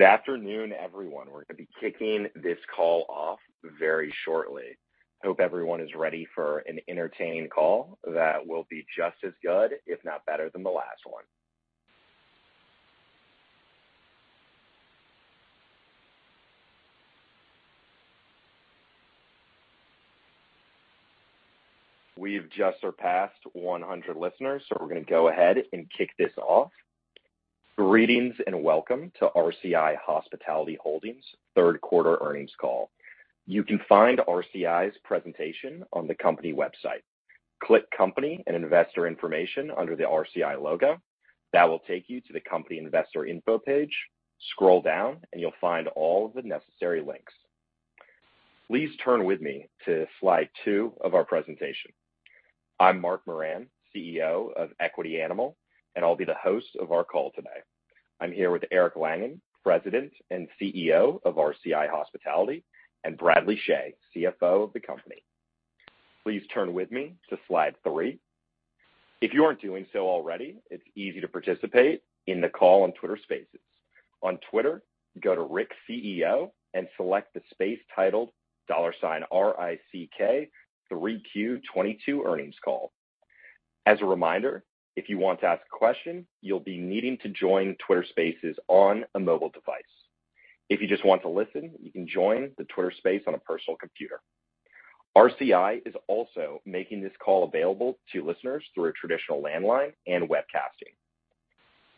Good afternoon, everyone. We're gonna be kicking this call off very shortly. Hope everyone is ready for an entertaining call that will be just as good, if not better than the last one. We've just surpassed 100 listeners, so we're gonna go ahead and kick this off. Greetings and welcome to RCI Hospitality Holdings third quarter earnings call. You can find RCI's presentation on the company website. Click Company and Investor Information under the RCI logo. That will take you to the company investor info page. Scroll down and you'll find all of the necessary links. Please turn with me to slide 2 of our presentation. I'm Mark Moran, CEO of Equity Animal, and I'll be the host of our call today. I'm here with Eric Langan, President and CEO of RCI Hospitality, and Bradley Chhay, CFO of the company. Please turn with me to slide 3. If you aren't doing so already, it's easy to participate in the call on Twitter Spaces. On Twitter, go to @RicksCEO and select the space titled $RICK 3Q22 Earnings Call. As a reminder, if you want to ask a question, you'll be needing to join Twitter Spaces on a mobile device. If you just want to listen, you can join the Twitter Spaces on a personal computer. RCI is also making this call available to listeners through a traditional landline and webcasting.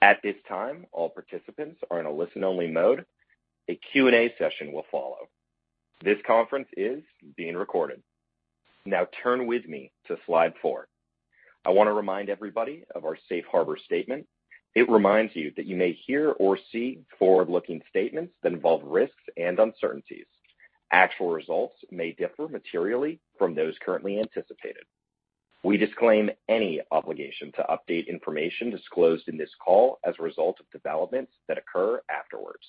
At this time, all participants are in a listen-only mode. A Q&A session will follow. This conference is being recorded. Now turn with me to slide 4. I wanna remind everybody of our safe harbor statement. It reminds you that you may hear or see forward-looking statements that involve risks and uncertainties. Actual results may differ materially from those currently anticipated. We disclaim any obligation to update information disclosed in this call as a result of developments that occur afterwards.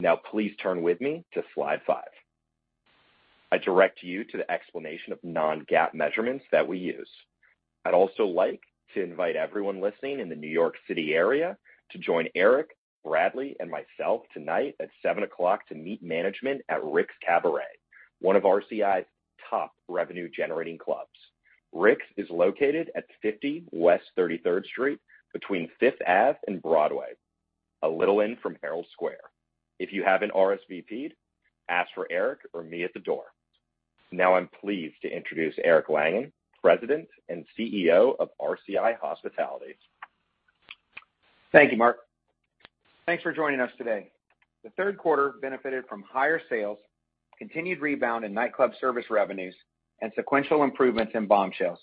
Now please turn with me to slide 5. I direct you to the explanation of non-GAAP measurements that we use. I'd also like to invite everyone listening in the New York City area to join Eric, Bradley, and myself tonight at 7:00 P.M. to meet management at Rick's Cabaret, one of RCI's top revenue-generating clubs. Rick's is located at 50 West 33rd Street between Fifth Ave and Broadway, a little in from Herald Square. If you haven't RSVP'd, ask for Eric or me at the door. Now I'm pleased to introduce Eric Langan, President and CEO of RCI Hospitality. Thank you, Mark. Thanks for joining us today. The third quarter benefited from higher sales, continued rebound in nightclub service revenues, and sequential improvements in Bombshells.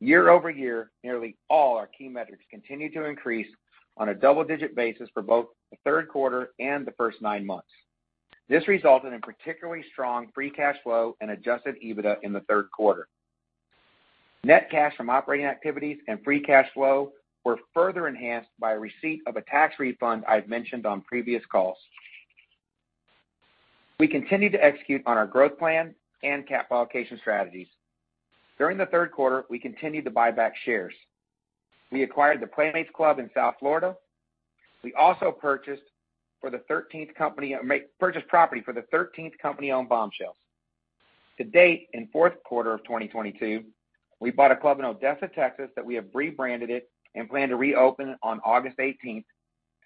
Year over year, nearly all our key metrics continued to increase on a double-digit basis for both the third quarter and the first nine months. This resulted in particularly strong free cash flow and adjusted EBITDA in the third quarter. Net cash from operating activities and free cash flow were further enhanced by receipt of a tax refund I've mentioned on previous calls. We continued to execute on our growth plan and capital allocation strategies. During the third quarter, we continued to buy back shares. We acquired the Playmates Club in South Florida. We also purchased property for the thirteenth company-owned Bombshells. To date, in fourth quarter of 2022, we bought a club in Odessa, Texas, that we have rebranded it and plan to reopen on August 18,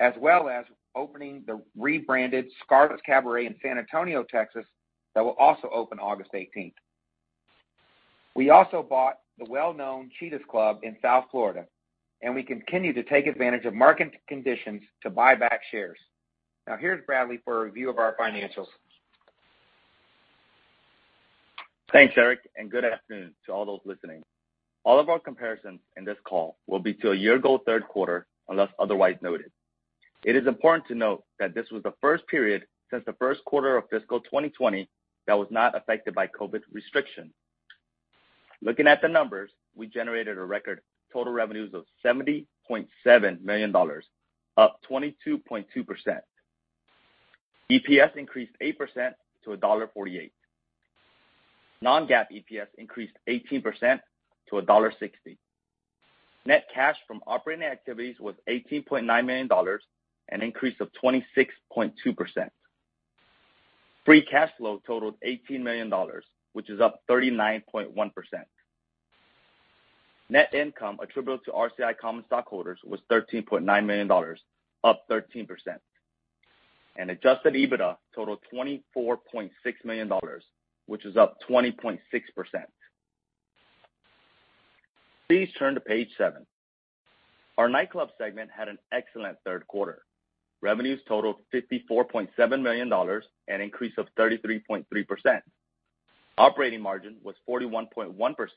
as well as opening the rebranded Scarlett's Cabaret in San Antonio, Texas, that will also open August 18. We also bought the well-known Cheetah Gentlemen's Club in South Florida, and we continue to take advantage of market conditions to buy back shares. Now here's Bradley for a review of our financials. Thanks, Eric, and good afternoon to all those listening. All of our comparisons in this call will be to a year ago third quarter, unless otherwise noted. It is important to note that this was the first period since the first quarter of fiscal 2020 that was not affected by COVID restrictions. Looking at the numbers, we generated a record total revenues of $70.7 million, up 22.2%. EPS increased 8% to $1.48. Non-GAAP EPS increased 18% to $1.60. Net cash from operating activities was $18.9 million, an increase of 26.2%. Free cash flow totaled $18 million, which is up 39.1%. Net income attributable to RCI common stockholders was $13.9 million, up 13%. Adjusted EBITDA totaled $24.6 million, which is up 20.6%. Please turn to page seven. Our nightclub segment had an excellent third quarter. Revenues totaled $54.7 million, an increase of 33.3%. Operating margin was 41.1%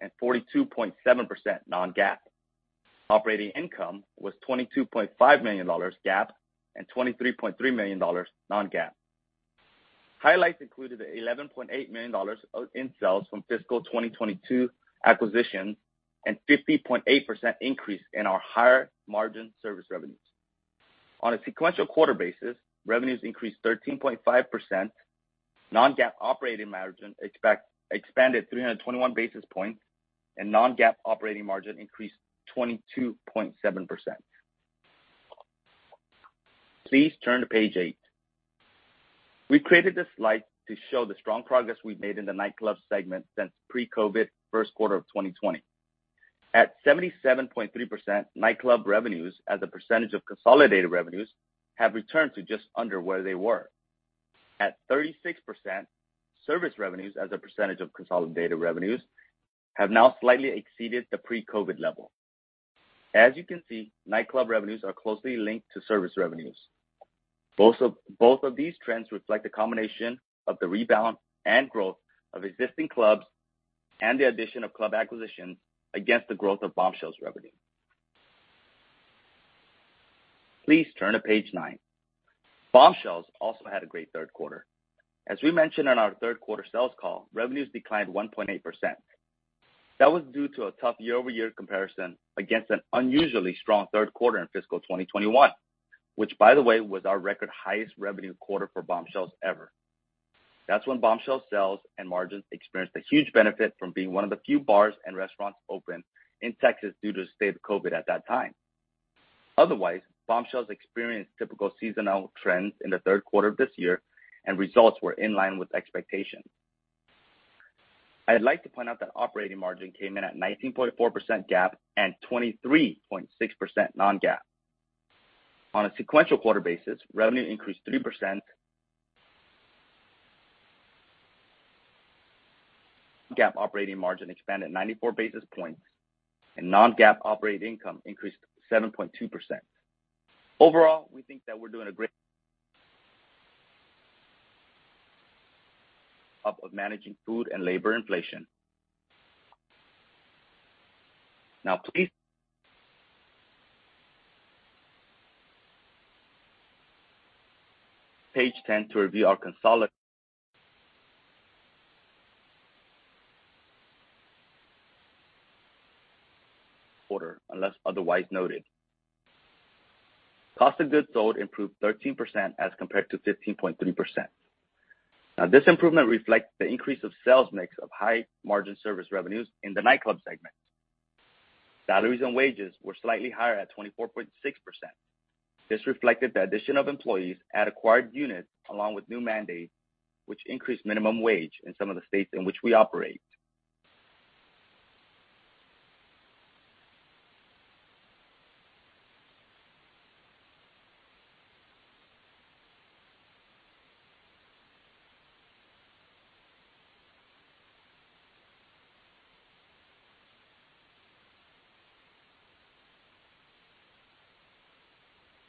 and 42.7% non-GAAP. Operating income was $22.5 million GAAP and $23.3 million non-GAAP. Highlights included $11.8 million in sales from fiscal 2022 acquisitions and 50.8% increase in our higher margin service revenues. On a sequential quarter basis, revenues increased 13.5%. Non-GAAP operating margin expanded 321 basis points, and non-GAAP operating margin increased 22.7%. Please turn to page eight. We created this slide to show the strong progress we've made in the nightclub segment since pre-COVID first quarter of 2020. At 77.3%, nightclub revenues as a percentage of consolidated revenues have returned to just under where they were. At 36%, service revenues as a percentage of consolidated revenues have now slightly exceeded the pre-COVID level. As you can see, nightclub revenues are closely linked to service revenues. Both of these trends reflect the combination of the rebalance and growth of existing clubs and the addition of club acquisitions against the growth of Bombshells revenue. Please turn to page 9. Bombshells also had a great third quarter. As we mentioned on our third quarter sales call, revenues declined 1.8%. That was due to a tough year-over-year comparison against an unusually strong third quarter in fiscal 2021, which, by the way, was our record highest revenue quarter for Bombshells ever. That's when Bombshells sales and margins experienced a huge benefit from being one of the few bars and restaurants open in Texas due to the state of COVID at that time. Otherwise, Bombshells experienced typical seasonal trends in the third quarter of this year, and results were in line with expectations. I'd like to point out that operating margin came in at 19.4% GAAP and 23.6% non-GAAP. On a sequential quarter basis, revenue increased 3%. GAAP operating margin expanded 94 basis points, and non-GAAP operating income increased 7.2%. Overall, we think that we're doing a great job of managing food and labor inflation. Now, please turn to page 10 to review our consolidated quarter, unless otherwise noted. Cost of goods sold improved 13% as compared to 15.3%. Now, this improvement reflects the increase of sales mix of high margin service revenues in the nightclub segment. Salaries and wages were slightly higher at 24.6%. This reflected the addition of employees at acquired units along with new mandates which increased minimum wage in some of the states in which we operate.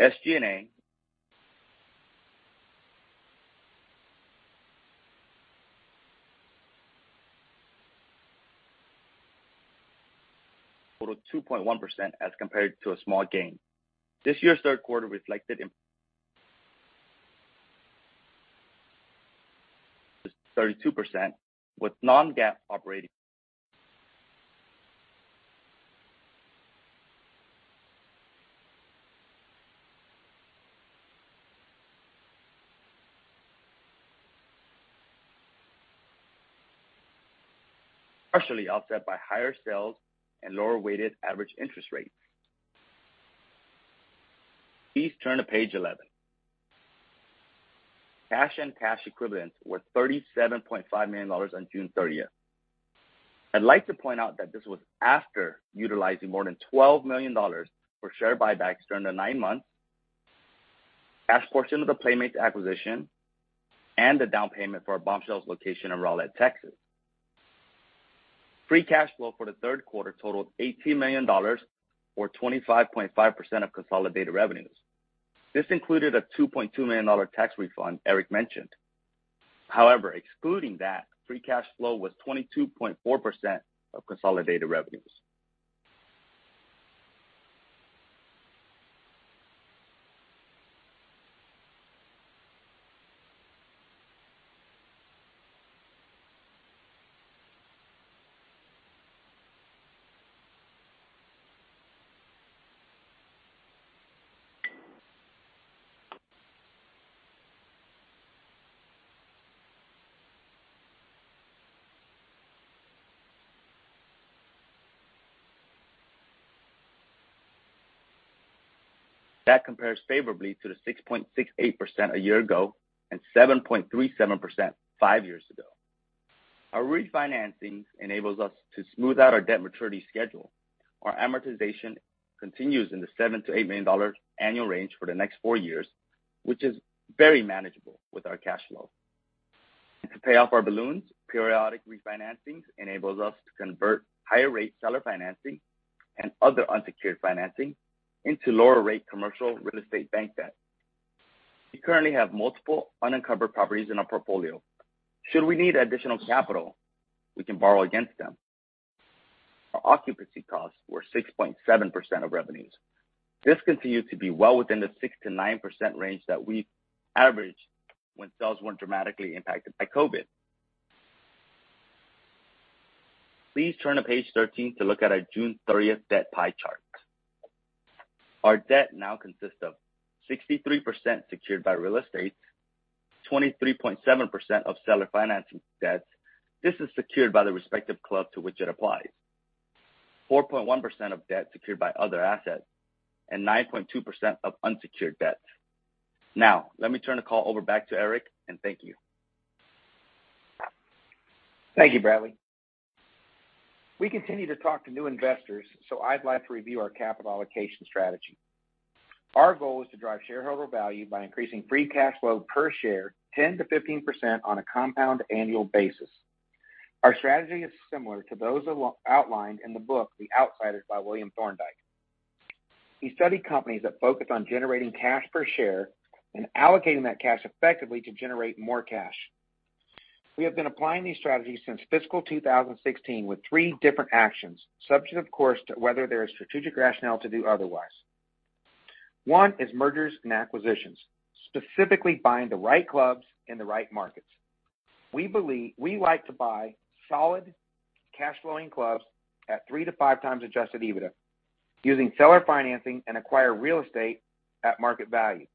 SG&A totaled 2.1% as compared to a small gain. This year's third quarter reflected 32%, with non-GAAP operating partially offset by higher sales and lower weighted average interest rates. Please turn to page 11. Cash and cash equivalents were $37.5 million on June 30. I'd like to point out that this was after utilizing more than $12 million for share buybacks during the 9 months, cash portion of the Playmates acquisition, and a down payment for our Bombshells location in Rowlett, Texas. Free cash flow for the third quarter totaled $18 million or 25.5% of consolidated revenues. This included a $2.2 million tax refund Eric mentioned. However, excluding that, free cash flow was 22.4% of consolidated revenues. That compares favorably to the 6.68% a year ago and 7.37% 5 years ago. Our refinancing enables us to smooth out our debt maturity schedule. Our amortization continues in the $7 million-$8 million annual range for the next 4 years, which is very manageable with our cash flow. To pay off our balloons, periodic refinancings enables us to convert higher rate seller financing and other unsecured financing into lower rate commercial real estate bank debt. We currently have multiple unencumbered properties in our portfolio. Should we need additional capital, we can borrow against them. Our occupancy costs were 6.7% of revenues. This continued to be well within the 6%-9% range that we averaged when sales weren't dramatically impacted by COVID. Please turn to page 13 to look at our June 30 debt pie chart. Our debt now consists of 63% secured by real estate, 23.7% of seller financing debts. This is secured by the respective club to which it applies. 4.1% of debt secured by other assets, and 9.2% of unsecured debts. Now let me turn the call over back to Eric, and thank you. Thank you, Bradley. We continue to talk to new investors, so I'd like to review our capital allocation strategy. Our goal is to drive shareholder value by increasing free cash flow per share 10%-15% on a compound annual basis. Our strategy is similar to those outlined in the book The Outsiders by William Thorndike. He studied companies that focus on generating cash per share and allocating that cash effectively to generate more cash. We have been applying these strategies since fiscal 2016, with three different actions, subject, of course, to whether there is strategic rationale to do otherwise. One is mergers and acquisitions, specifically buying the right clubs in the right markets. We like to buy solid cash flowing clubs at 3x-5x adjusted EBITDA using seller financing and acquire real estate at market value.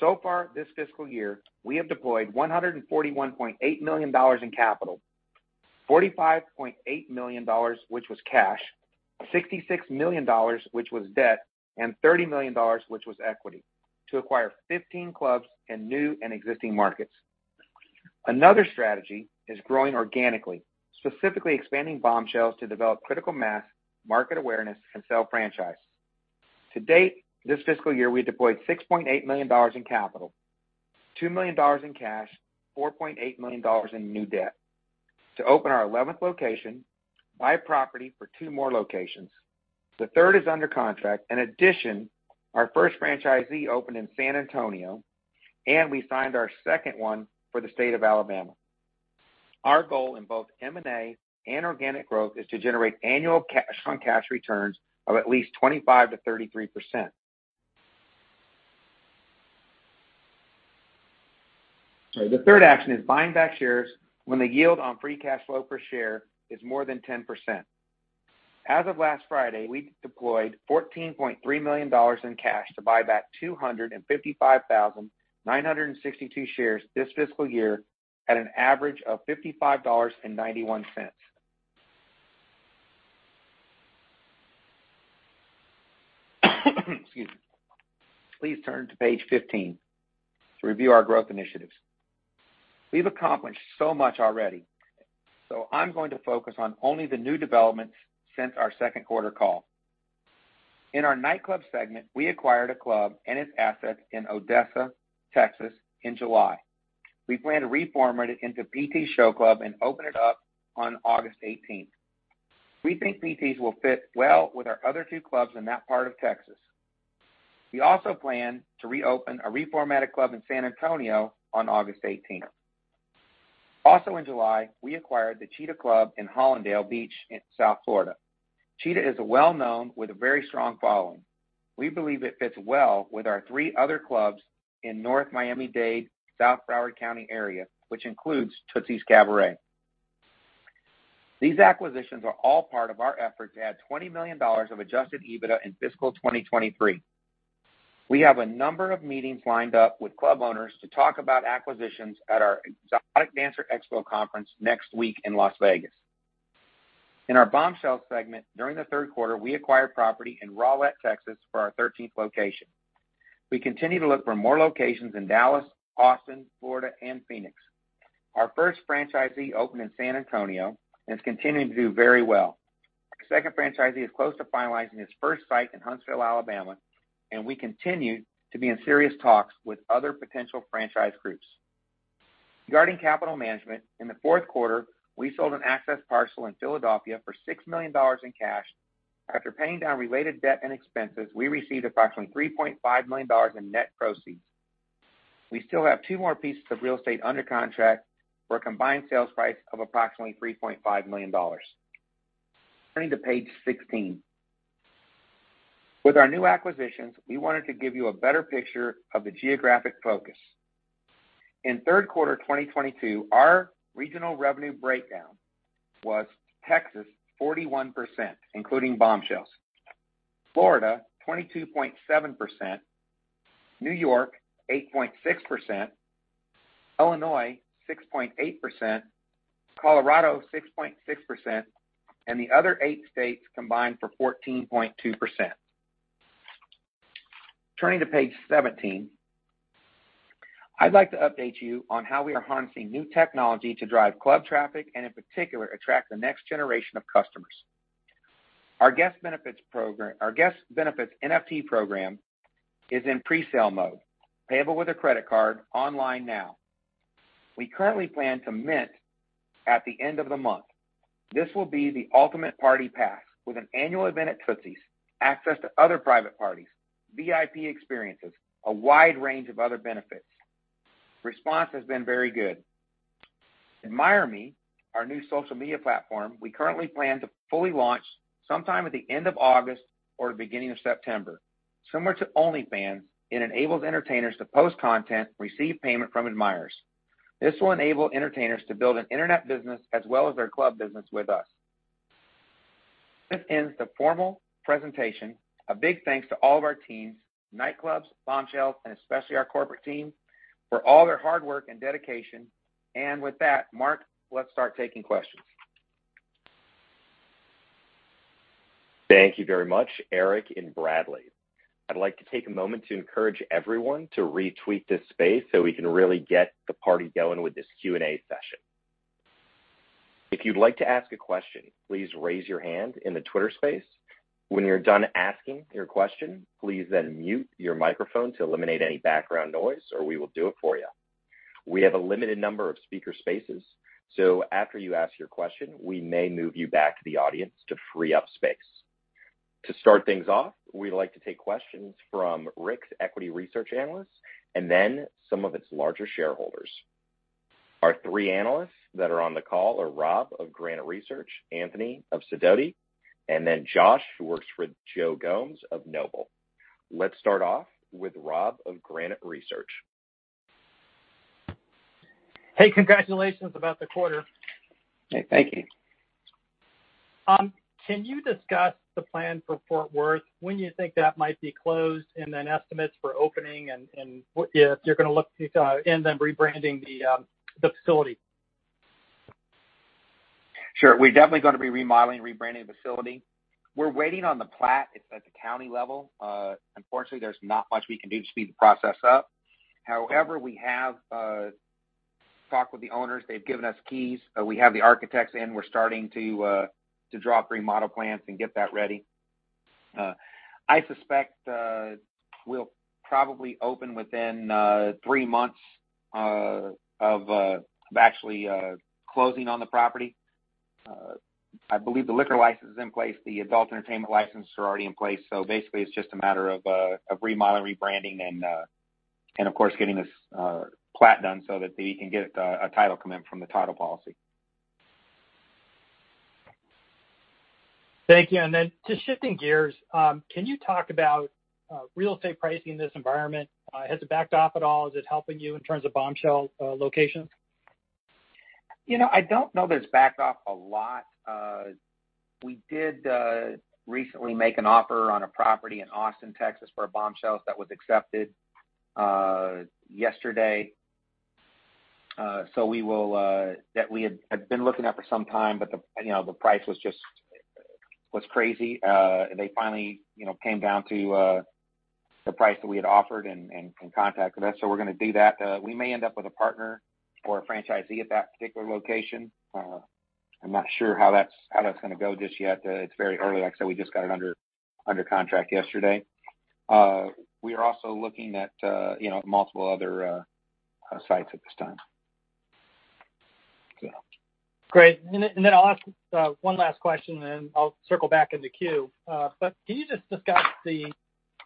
So far this fiscal year, we have deployed $141.8 million in capital, $45.8 million, which was cash, $66 million, which was debt, and $30 million, which was equity to acquire 15 clubs in new and existing markets. Another strategy is growing organically, specifically expanding Bombshells to develop critical mass, market awareness and sell franchise. To date, this fiscal year, we deployed $6.8 million in capital, $2 million in cash, $4.8 million in new debt to open our 11th location, buy property for 2 more locations. The third is under contract. In addition, our first franchisee opened in San Antonio, and we signed our second one for the state of Alabama. Our goal in both M&A and organic growth is to generate annual cash on cash returns of at least 25%-33%. Sorry. The third action is buying back shares when the yield on free cash flow per share is more than 10%. As of last Friday, we deployed $14.3 million in cash to buy back 255,962 shares this fiscal year at an average of $55.91. Excuse me. Please turn to page 15 to review our growth initiatives. We've accomplished so much already, so I'm going to focus on only the new developments since our second quarter call. In our nightclub segment, we acquired a club and its assets in Odessa, Texas, in July. We plan to rebrand it into PT's Show Club and open it up on August 18. We think PT's will fit well with our other two clubs in that part of Texas. We also plan to reopen a reformatted club in San Antonio on August eighteenth. Also in July, we acquired the Cheetah Club in Hallandale Beach in South Florida. Cheetah is well known with a very strong following. We believe it fits well with our three other clubs in North Miami-Dade, South Broward County area, which includes Tootsie's Cabaret. These acquisitions are all part of our effort to add $20 million of adjusted EBITDA in fiscal 2023. We have a number of meetings lined up with club owners to talk about acquisitions at our Exotic Dancer Expo conference next week in Las Vegas. In our Bombshells segment during the third quarter, we acquired property in Rowlett, Texas, for our thirteenth location. We continue to look for more locations in Dallas, Austin, Florida and Phoenix. Our first franchisee opened in San Antonio and is continuing to do very well. Our second franchisee is close to finalizing his first site in Huntsville, Alabama, and we continue to be in serious talks with other potential franchise groups. Regarding capital management, in the fourth quarter, we sold an excess parcel in Philadelphia for $6 million in cash. After paying down related debt and expenses, we received approximately $3.5 million in net proceeds. We still have two more pieces of real estate under contract for a combined sales price of approximately $3.5 million. Turning to page 16. With our new acquisitions, we wanted to give you a better picture of the geographic focus. In third quarter 2022, our regional revenue breakdown was Texas 41%, including Bombshells, Florida 22.7%, New York 8.6%, Illinois 6.8%, Colorado 6.6%, and the other eight states combined for 14.2%. Turning to page 17, I'd like to update you on how we are harnessing new technology to drive club traffic and in particular attract the next generation of customers. Our guest benefits NFT program is in presale mode, payable with a credit card online now. We currently plan to mint at the end of the month. This will be the ultimate party pass with an annual event at Tootsie's, access to other private parties, VIP experiences, a wide range of other benefits. Response has been very good. AdmireMe, our new social media platform, we currently plan to fully launch sometime at the end of August or the beginning of September. Similar to OnlyFans, it enables entertainers to post content, receive payment from admirers. This will enable entertainers to build an internet business as well as their club business with us. This ends the formal presentation. A big thanks to all of our teams, nightclubs, Bombshells, and especially our corporate team for all their hard work and dedication. With that, Mark, let's start taking questions. Thank you very much, Eric and Bradley. I'd like to take a moment to encourage everyone to retweet this space so we can really get the party going with this Q&A session. If you'd like to ask a question, please raise your hand in the Twitter Spaces. When you're done asking your question, please then mute your microphone to eliminate any background noise, or we will do it for you. We have a limited number of speaker spaces, so after you ask your question, we may move you back to the audience to free up space. To start things off, we'd like to take questions from Rick's equity research analysts and then some of its larger shareholders. Our three analysts that are on the call are Rob of Granite Research, Anthony of Sidoti, and then Josh, who works for Joe Gomes of Noble. Let's start off with Rob of Granite Research. Hey, congratulations about the quarter. Hey, thank you. Can you discuss the plan for Fort Worth, when you think that might be closed, and then estimates for opening and if you're gonna look to, and then rebranding the facility? Sure. We're definitely gonna be remodeling, rebranding the facility. We're waiting on the plat. It's at the county level. Unfortunately, there's not much we can do to speed the process up. However, we have talked with the owners. They've given us keys. We have the architects in. We're starting to draw up remodel plans and get that ready. I suspect we'll probably open within three months of actually closing on the property. I believe the liquor license is in place. The adult entertainment license are already in place. Basically, it's just a matter of remodeling, rebranding, and of course, getting this plat done so that they can get a title commitment from the title policy. Thank you. Just shifting gears, can you talk about real estate pricing in this environment? Has it backed off at all? Is it helping you in terms of Bombshells locations? You know, I don't know that it's backed off a lot. We did recently make an offer on a property in Austin, Texas, for a Bombshells that was accepted yesterday. So we will—that we had been looking at for some time, but the, you know, the price was just crazy. They finally, you know, came down to the price that we had offered and contacted us, so we're gonna do that. We may end up with a partner or a franchisee at that particular location. I'm not sure how that's gonna go just yet. It's very early. Like I said, we just got it under contract yesterday. We are also looking at, you know, multiple other sites at this time. Great. I'll ask one last question, and then I'll circle back in the queue. Can you just discuss the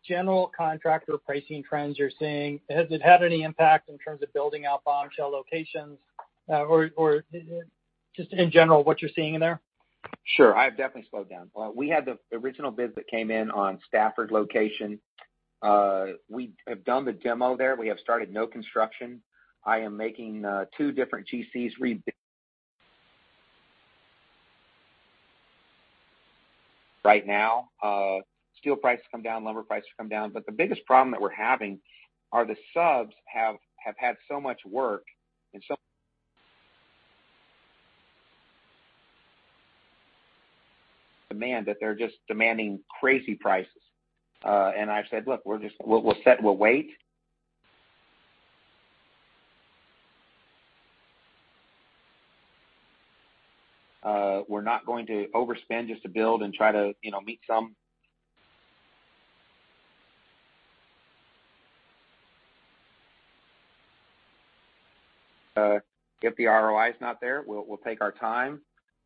general contractor pricing trends you're seeing? Has it had any impact in terms of building out Bombshells locations? Just in general, what you're seeing in there? Sure. I have definitely slowed down. We had the original bid that came in on Stafford location. We have done the demo there. We have not started construction. I am making two different GCs rebid. Right now, steel prices come down, lumber prices come down. The biggest problem that we're having are the subs have had so much work and so much demand that they're just demanding crazy prices. I've said, "Look, we're just. We'll wait. We're not going to overspend just to build and try to, you know, meet some. If the ROI is not there, we'll take our time.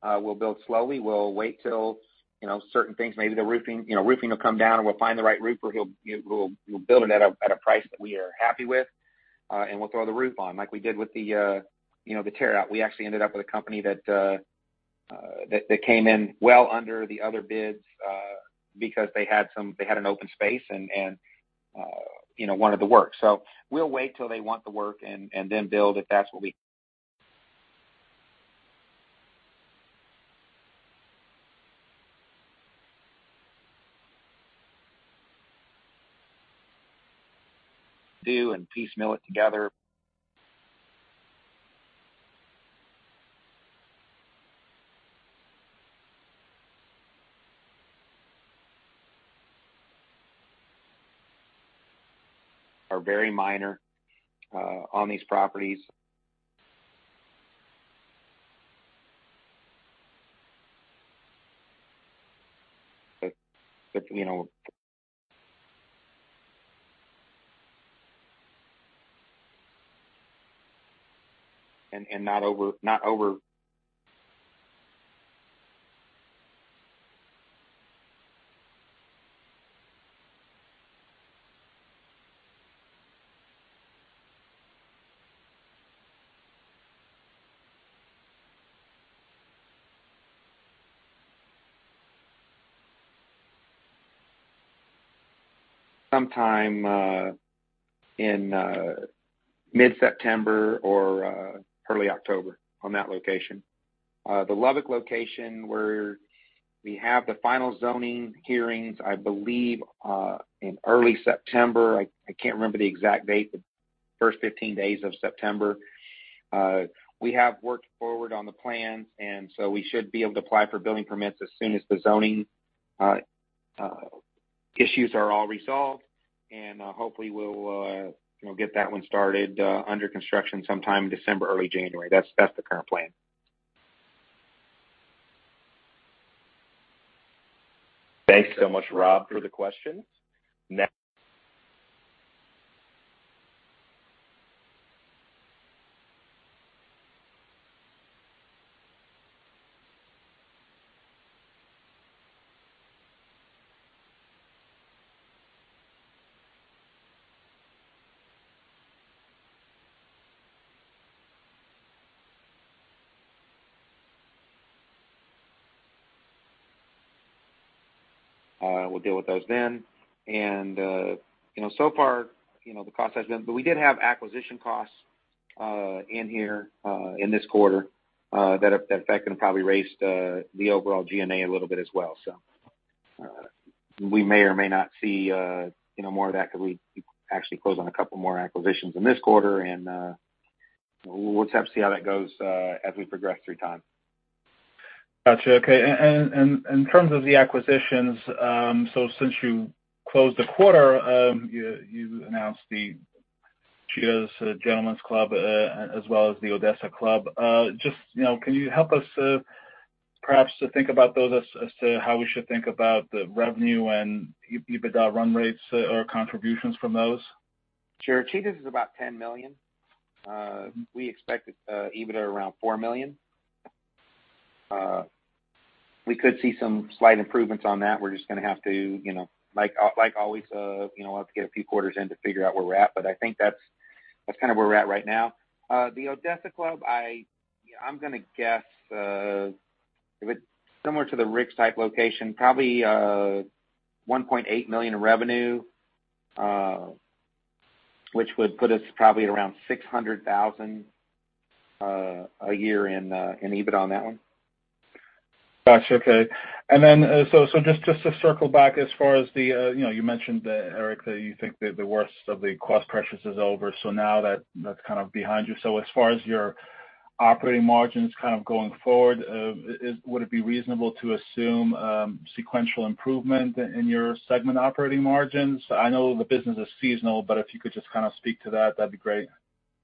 We'll build slowly. We'll wait till, you know, certain things, maybe the roofing, you know, roofing will come down, and we'll find the right roofer who'll build it at a price that we are happy with, and we'll throw the roof on, like we did with the, you know, the tear out. We actually ended up with a company that came in well under the other bids, because they had an open space and, you know, wanted the work. We'll wait till they want the work and then build if that's what we do and piecemeal it together are very minor on these properties. You know. Not over. Sometime in mid-September or early October on that location. The Lubbock location where we have the final zoning hearings, I believe, in early September. I can't remember the exact date, the first 15 days of September. We have worked forward on the plans, and so we should be able to apply for building permits as soon as the zoning issues are all resolved. Hopefully we'll get that one started under construction sometime December, early January. That's the current plan. Thanks so much, Rob, for the questions. We'll deal with those then. You know, so far, you know, the cost has been. We did have acquisition costs in here in this quarter that affected and probably raised the overall G&A a little bit as well. We may or may not see you know, more of that because we actually closed on a couple more acquisitions in this quarter, and we'll just have to see how that goes as we progress through time. Got you. Okay. In terms of the acquisitions, so since you closed the quarter, you announced the Cheetah Gentlemen's Club, as well as the Odessa Club, just, you know, can you help us, perhaps to think about those as to how we should think about the revenue and EBITDA run rates or contributions from those? Sure. Cheetah's is about $10 million. We expected EBITDA around $4 million. We could see some slight improvements on that. We're just gonna have to, you know, like always, you know, we'll have to get a few quarters in to figure out where we're at, but I think that's kind of where we're at right now. The Odessa Club, I'm gonna guess, if it's similar to the Rick's site location, probably $1.8 million in revenue, which would put us probably at around $600,000 a year in EBITDA on that one. Got you. Okay. So just to circle back as far as the, you know, you mentioned, Eric, that you think that the worst of the cost pressures is over, so now that's kind of behind you. So as far as your operating margins kind of going forward, would it be reasonable to assume sequential improvement in your segment operating margins? I know the business is seasonal, but if you could just kind of speak to that'd be great.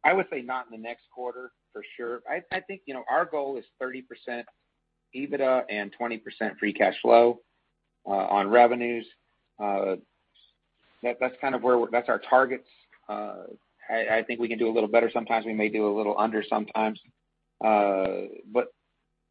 I would say not in the next quarter for sure. I think, you know, our goal is 30% EBITDA and 20% free cash flow on revenues. That's kind of our targets. I think we can do a little better sometimes. We may do a little under sometimes.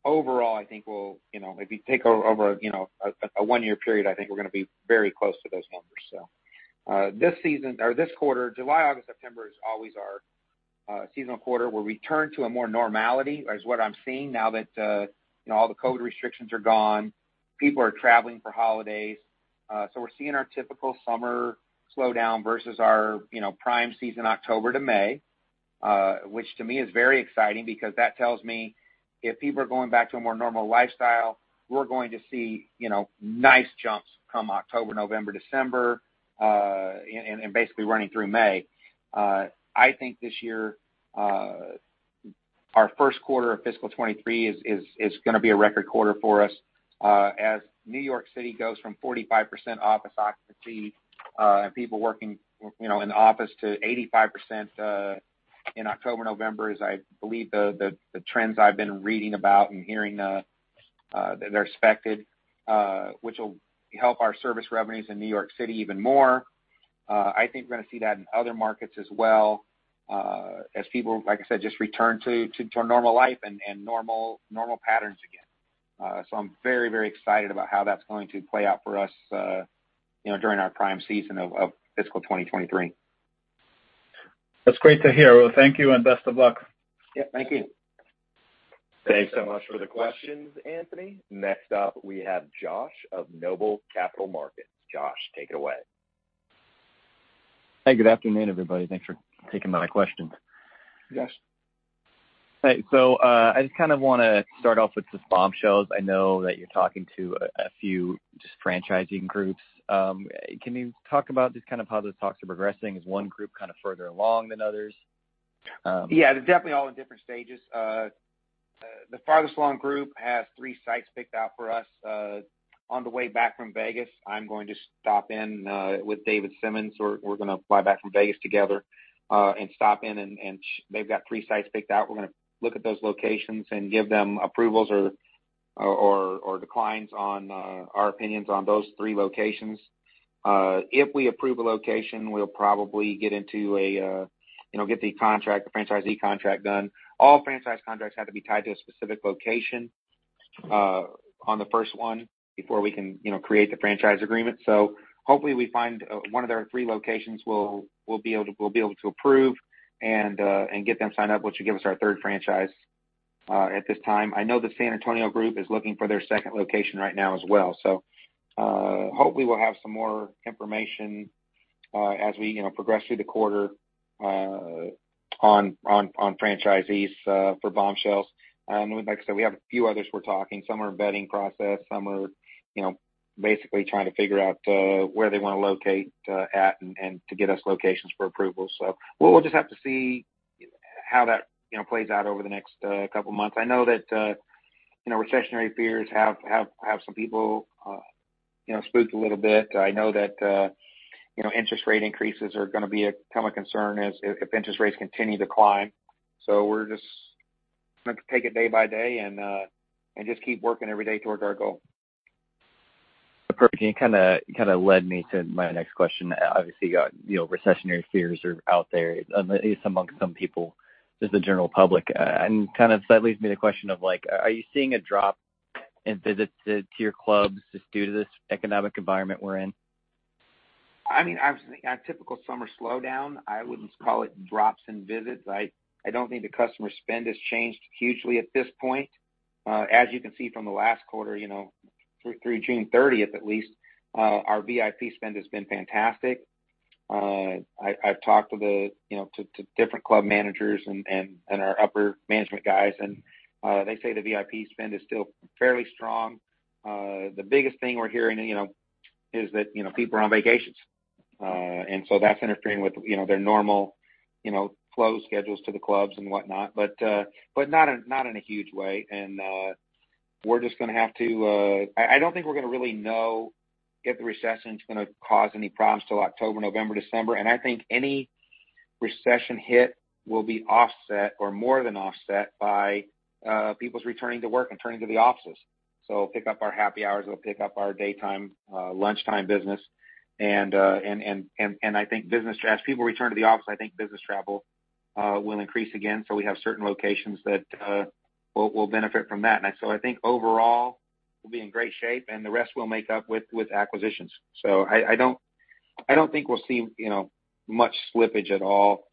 Overall, I think we'll, you know, if you take over, you know, a one-year period, I think we're gonna be very close to those numbers. This season or this quarter, July, August, September is always our seasonal quarter where we turn to a more normality is what I'm seeing now that, you know, all the COVID restrictions are gone. People are traveling for holidays. We're seeing our typical summer slowdown versus our, you know, prime season October to May, which to me is very exciting because that tells me if people are going back to a more normal lifestyle, we're going to see, you know, nice jumps come October, November, December, and basically running through May. I think this year, our first quarter of fiscal 2023 is gonna be a record quarter for us, as New York City goes from 45% office occupancy, and people working, you know, in the office to 85% in October, November is, I believe, the trends I've been reading about and hearing that are expected, which will help our service revenues in New York City even more. I think we're gonna see that in other markets as well, as people, like I said, just return to a normal life and normal patterns again. I'm very excited about how that's going to play out for us, you know, during our prime season of fiscal 2023. That's great to hear. Well, thank you, and best of luck. Yeah. Thank you. Thanks so much for the questions, Anthony. Next up, we have Josh of Noble Capital Markets. Josh, take it away. Hey, good afternoon, everybody. Thanks for taking my questions. Yes. Hey. I just kind of wanna start off with the Bombshells. I know that you're talking to a few just franchising groups. Can you talk about just kind of how the talks are progressing? Is one group kind of further along than others? Yeah. They're definitely all in different stages. The farthest along group has three sites picked out for us. On the way back from Vegas, I'm going to stop in with David Simmons. We're gonna fly back from Vegas together and stop in. They've got three sites picked out. We're gonna look at those locations and give them approvals or declines on our opinions on those three locations. If we approve a location, we'll probably get into a, you know, get the contract, the franchisee contract done. All franchise contracts have to be tied to a specific location on the first one before we can, you know, create the franchise agreement. Hopefully, we find one of their 3 locations we'll be able to approve and get them signed up, which will give us our third franchise. At this time, I know the San Antonio group is looking for their second location right now as well. Hopefully we'll have some more information as we you know progress through the quarter on franchisees for Bombshells. Like I said, we have a few others we're talking. Some are in vetting process, some are you know basically trying to figure out where they wanna locate at and to get us locations for approval. We'll just have to see how that you know plays out over the next couple months. I know that, you know, recessionary fears have some people, you know, spooked a little bit. I know that, you know, interest rate increases are gonna be a common concern if interest rates continue to climb. We're just gonna take it day by day and just keep working every day toward our goal. Perfect. You kinda led me to my next question. Obviously, you got, you know, recessionary fears are out there, at least amongst some people, just the general public. Kind of that leads me to the question of, like, are you seeing a drop in visits to your clubs just due to this economic environment we're in? I mean, obviously a typical summer slowdown. I wouldn't call it drops in visits. I don't think the customer spend has changed hugely at this point. As you can see from the last quarter, you know, through June thirtieth, at least, our VIP spend has been fantastic. I've talked to you know, to different club managers and our upper management guys, and they say the VIP spend is still fairly strong. The biggest thing we're hearing, you know, is that, you know, people are on vacations. And so that's interfering with, you know, their normal, you know, flow schedules to the clubs and whatnot. But not in a huge way. We're just gonna have to. I don't think we're gonna really know if the recession's gonna cause any problems till October, November, December. I think any recession hit will be offset or more than offset by people's returning to work and returning to the offices. It'll pick up our happy hours, it'll pick up our daytime lunchtime business. As people return to the office, I think business travel will increase again. We have certain locations that will benefit from that. I think overall we'll be in great shape, and the rest we'll make up with acquisitions. I don't think we'll see, you know, much slippage at all.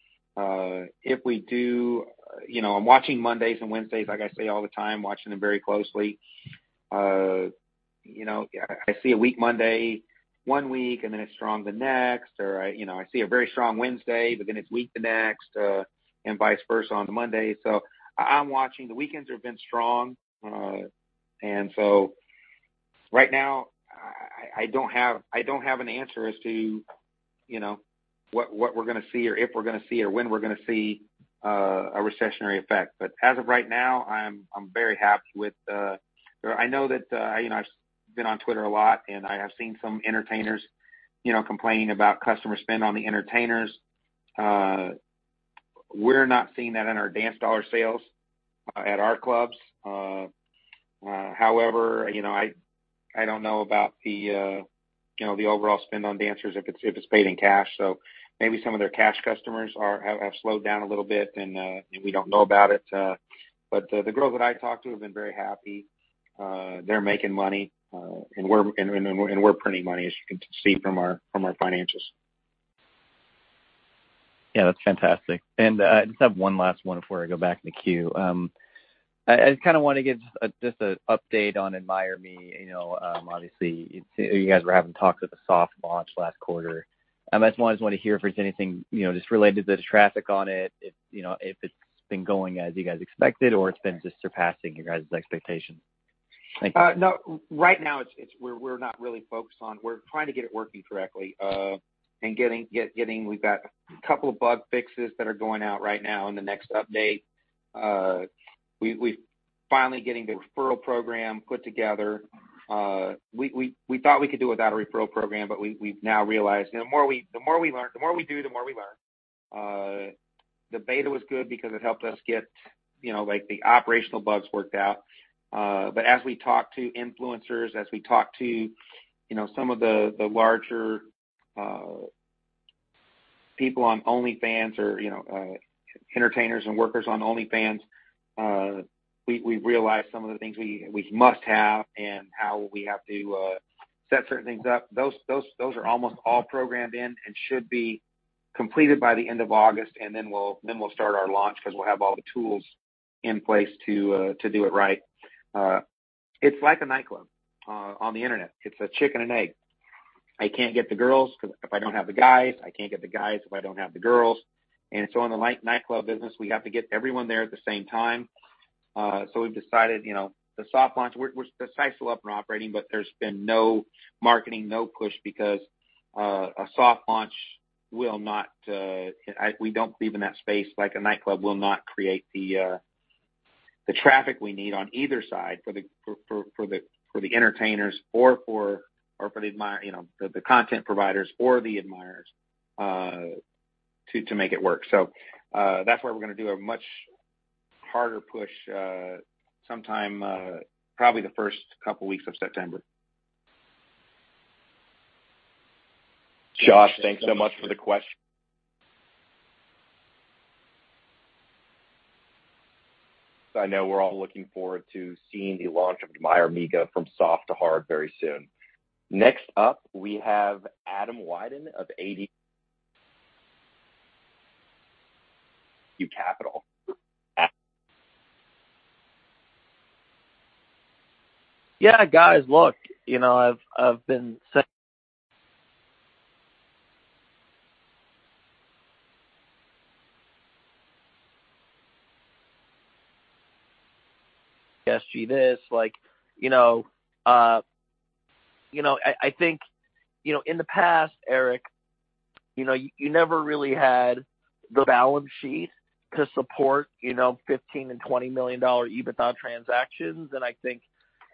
If we do, you know, I'm watching Mondays and Wednesdays, like I say all the time, watching them very closely. You know, I see a weak Monday one week, and then it's strong the next, or you know, I see a very strong Wednesday, but then it's weak the next, and vice versa on the Monday. I'm watching. The weekends have been strong. Right now I don't have an answer as to, you know, what we're gonna see or if we're gonna see or when we're gonna see a recessionary effect. As of right now, I'm very happy with. I know that, you know, I've been on Twitter a lot, and I have seen some entertainers, you know, complaining about customer spend on the entertainers. We're not seeing that in our dance dollar sales at our clubs. However, you know, I don't know about, you know, the overall spend on dancers if it's paid in cash. Maybe some of their cash customers have slowed down a little bit and we don't know about it. The girls that I talk to have been very happy. They're making money, and we're printing money, as you can see from our financials. Yeah. That's fantastic. I just have one last one before I go back in the queue. I kinda wanna get just an update on AdmireMe. You know, obviously it's, you guys were having talks with a soft launch last quarter. I might as well just want to hear if there's anything, you know, just related to the traffic on it, if, you know, if it's been going as you guys expected or it's been just surpassing you guys' expectation. Thank you. No, right now we're not really focused on. We're trying to get it working correctly, and getting. We've got a couple of bug fixes that are going out right now in the next update. We've finally getting the referral program put together. We thought we could do without a referral program, but we've now realized, you know, the more we learn, the more we do, the more we learn. The beta was good because it helped us get, you know, like, the operational bugs worked out. As we talk to influencers, you know, some of the larger people on OnlyFans or, you know, entertainers and workers on OnlyFans, we realized some of the things we must have and how we have to set certain things up. Those are almost all programmed in and should be completed by the end of August, and then we'll start our launch because we'll have all the tools in place to do it right. It's like a nightclub on the internet. It's a chicken and egg. I can't get the girls if I don't have the guys. I can't get the guys if I don't have the girls. On the nightclub business, we have to get everyone there at the same time. We've decided, you know, the soft launch. The site's still up and operating, but there's been no marketing, no push because a soft launch will not, we don't believe in that space. Like a nightclub will not create the traffic we need on either side for the entertainers or for the admirers, you know, the content providers or the admirers to make it work. That's why we're gonna do a much harder push, sometime, probably the first couple weeks of September. Josh, thanks so much. I know we're all looking forward to seeing the launch of AdmireMe go from soft to hard very soon. Next up, we have Adam Wyden of ADW Capital. Yeah, guys, look, you know, I've been saying this, like, you know, you know, I think, you know, in the past, Eric, you know, you never really had the balance sheet to support, you know, $15 million-$20 million EBITDA transactions. I think,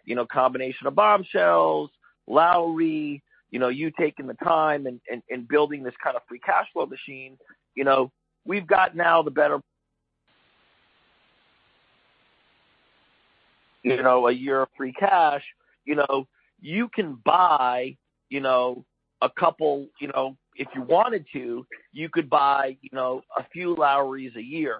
you know, combination of Bombshells, Lowrie, you know, you taking the time and building this kind of free cash flow machine, you know, we've got now a better year of free cash. You know, you can buy, you know, a couple, you know, if you wanted to, you could buy, you know, a few Lowries a year.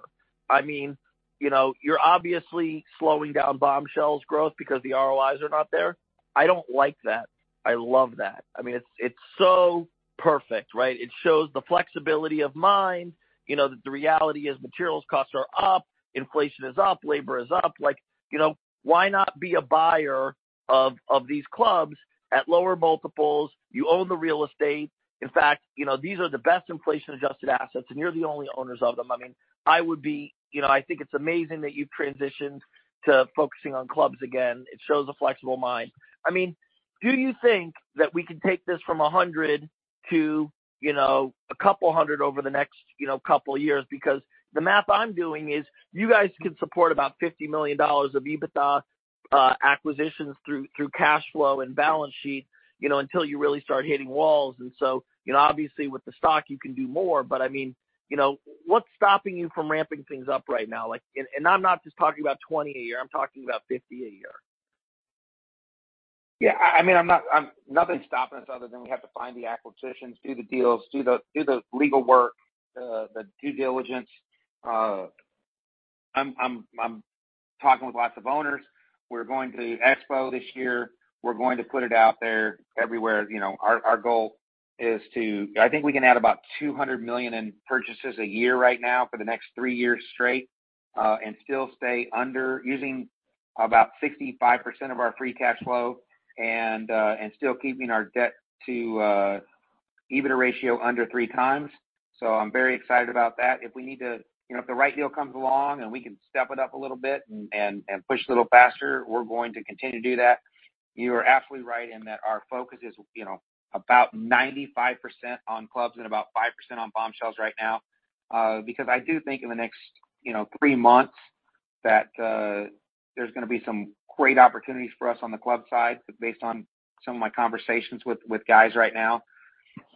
I mean, you know, you're obviously slowing down Bombshells growth because the ROIs are not there. I don't like that. I love that. I mean, it's so perfect, right? It shows the flexibility of mind, you know, that the reality is materials costs are up, inflation is up, labor is up. Like, you know, why not be a buyer of these clubs at lower multiples? You own the real estate. In fact, you know, these are the best inflation-adjusted assets, and you're the only owners of them. I mean, I would be. You know, I think it's amazing that you've transitioned to focusing on clubs again. It shows a flexible mind. I mean, do you think that we can take this from 100 to, you know, a couple hundred over the next, you know, couple years? Because the math I'm doing is you guys can support about $50 million of EBITDA acquisitions through cash flow and balance sheet, you know, until you really start hitting walls. You know, obviously with the stock you can do more. I mean, you know, what's stopping you from ramping things up right now? Like, and I'm not just talking about 20 a year, I'm talking about 50 a year. Yeah. I mean, Nothing's stopping us other than we have to find the acquisitions, do the deals, do the legal work, the due diligence. I'm talking with lots of owners. We're going to expo this year. We're going to put it out there everywhere. You know, our goal is to I think we can add about $200 million in purchases a year right now for the next three years straight, and still stay under using about 65% of our free cash flow and still keeping our debt to EBITDA ratio under 3x. I'm very excited about that. If we need to, you know, if the right deal comes along and we can step it up a little bit and push a little faster, we're going to continue to do that. You are absolutely right in that our focus is, you know, about 95% on clubs and about 5% on Bombshells right now. Because I do think in the next, you know, 3 months that there's gonna be some great opportunities for us on the club side based on some of my conversations with guys right now.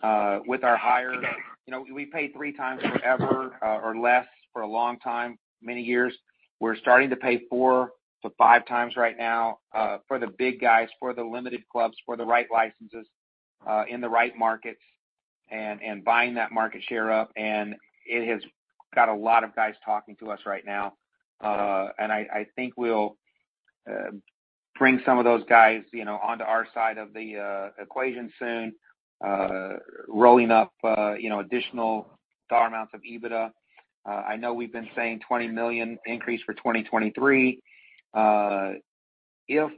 You know, we paid 3x forever or less for a long time, many years. We're starting to pay 4x-5x right now, for the big guys, for the limited clubs, for the right licenses, in the right markets and buying that market share up. It has got a lot of guys talking to us right now. I think we'll bring some of those guys, you know, onto our side of the equation soon, rolling up, you know, additional dollar amounts of EBITDA. I know we've been saying $20 million increase for 2023. If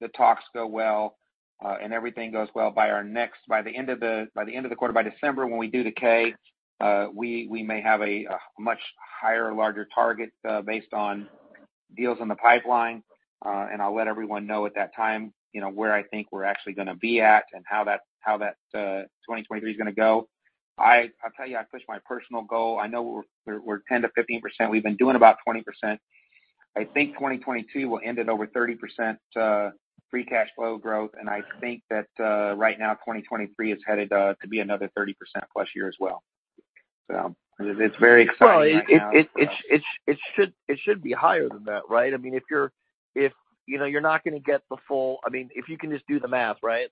the talks go well, and everything goes well by the end of the quarter, by December when we do the K, we may have a much higher, larger target, based on deals in the pipeline. I'll let everyone know at that time, you know, where I think we're actually gonna be at and how that 2023 is gonna go. I'll tell you, I pushed my personal goal. I know we're 10%-15%. We've been doing about 20%. I think 2022 will end at over 30% free cash flow growth. I think that right now, 2023 is headed to be another 30%+ year as well. It's very exciting right now. Well, it should be higher than that, right? I mean, if you know, you're not gonna get the full. I mean, if you can just do the math, right?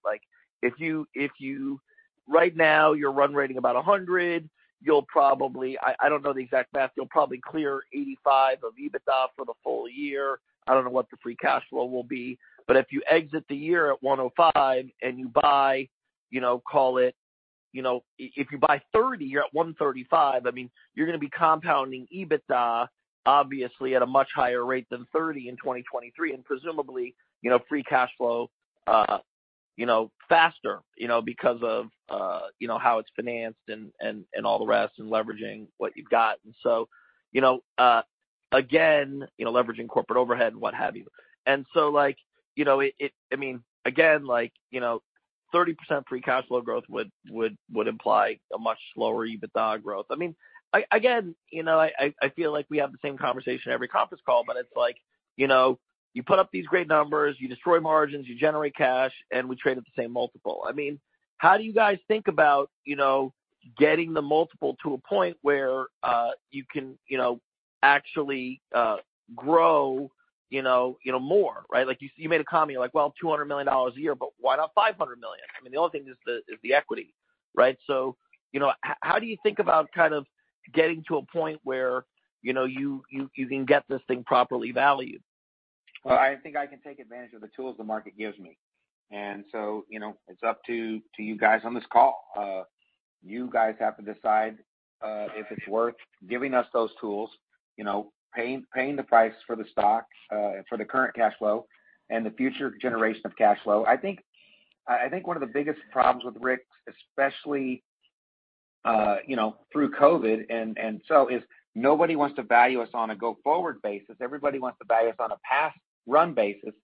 Right now you're run-rate about $100. I don't know the exact math. You'll probably clear $85 of EBITDA for the full year. I don't know what the free cash flow will be. If you exit the year at $105 and you buy, you know, call it, you know, if you buy $30, you're at $135. I mean, you're gonna be compounding EBITDA obviously at a much higher rate than 30% in 2023. Presumably, you know, free cash flow, you know, faster, you know, because of, you know, how it's financed and all the rest and leveraging what you've got. So, you know, again, you know, leveraging corporate overhead and what have you. So like, you know, it. I mean, again, like, you know, 30% free cash flow growth would imply a much lower EBITDA growth. I mean, again, you know, I feel like we have the same conversation every conference call, but it's like, you know, you put up these great numbers, you destroy margins, you generate cash, and we trade at the same multiple. I mean, how do you guys think about, you know, getting the multiple to a point where you can, you know, actually grow, you know, more, right? Like you made a comment, you're like, well, $200 million a year, but why not $500 million? I mean, the only thing is the equity, right? You know, how do you think about kind of getting to a point where, you know, you can get this thing properly valued? Well, I think I can take advantage of the tools the market gives me. You know, it's up to you guys on this call. You guys have to decide if it's worth giving us those tools, you know, paying the price for the stock for the current cash flow and the future generation of cash flow. I think one of the biggest problems with RICK's, especially, you know, through COVID and so is nobody wants to value us on a go-forward basis. Everybody wants to value us on a past run basis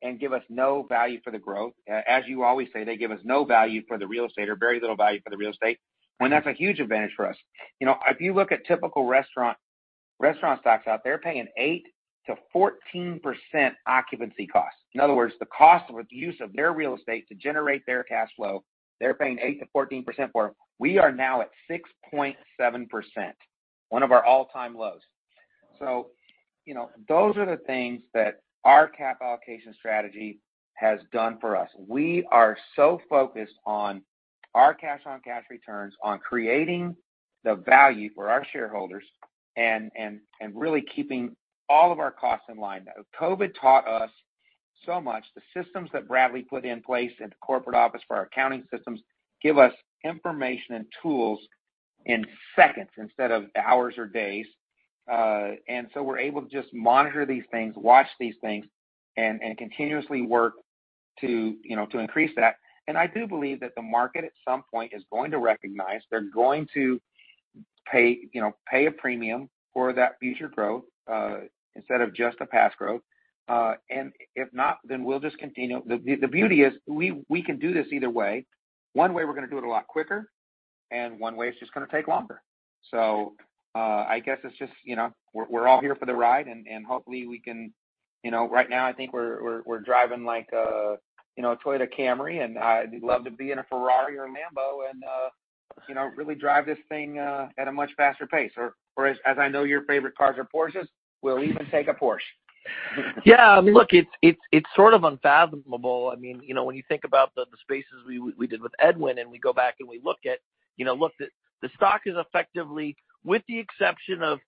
and give us no value for the growth. As you always say, they give us no value for the real estate or very little value for the real estate, when that's a huge advantage for us. You know, if you look at typical restaurant stocks out there paying 8%-14% occupancy costs. In other words, the cost of use of their real estate to generate their cash flow, they're paying 8%-14% for. We are now at 6.7%, one of our all-time lows. You know, those are the things that our capital allocation strategy has done for us. We are so focused on our cash-on-cash returns, on creating the value for our shareholders and really keeping all of our costs in line. Now, COVID taught us so much. The systems that Bradley put in place in the corporate office for our accounting systems give us information and tools in seconds instead of hours or days. We're able to just monitor these things, watch these things, and continuously work to, you know, to increase that. I do believe that the market at some point is going to recognize. They're going to pay, you know, a premium for that future growth, instead of just the past growth. If not, then we'll just continue. The beauty is we can do this either way. One way, we're gonna do it a lot quicker, and one way, it's just gonna take longer. I guess it's just, you know, we're all here for the ride, and hopefully we can, you know. Right now, I think we're driving like a, you know, a Toyota Camry, and I'd love to be in a Ferrari or a Lamborghini and, you know, really drive this thing at a much faster pace. Or, as I know your favorite cars are Porsches, we'll even take a Porsche. Yeah. I mean, look, it's sort of unfathomable. I mean, you know, when you think about the spaces we did with Edwin, and we go back and we look at, you know, the stock is effectively with the exception of,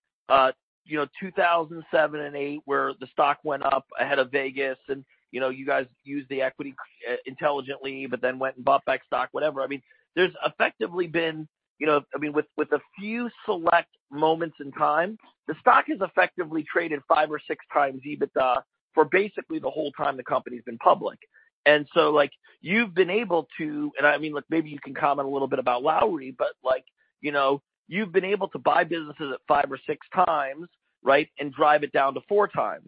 you know, 2007 and 2008, where the stock went up ahead of Vegas and, you know, you guys used the equity intelligently, but then went and bought back stock, whatever. I mean, there's effectively been, you know. I mean, with a few select moments in time, the stock has effectively traded 5x or 6x EBITDA for basically the whole time the company's been public. Like, you've been able to, and I mean, look, maybe you can comment a little bit about Lowrie, but like, you know, you've been able to buy businesses at 5x or 6x, right? Drive it down to 4x.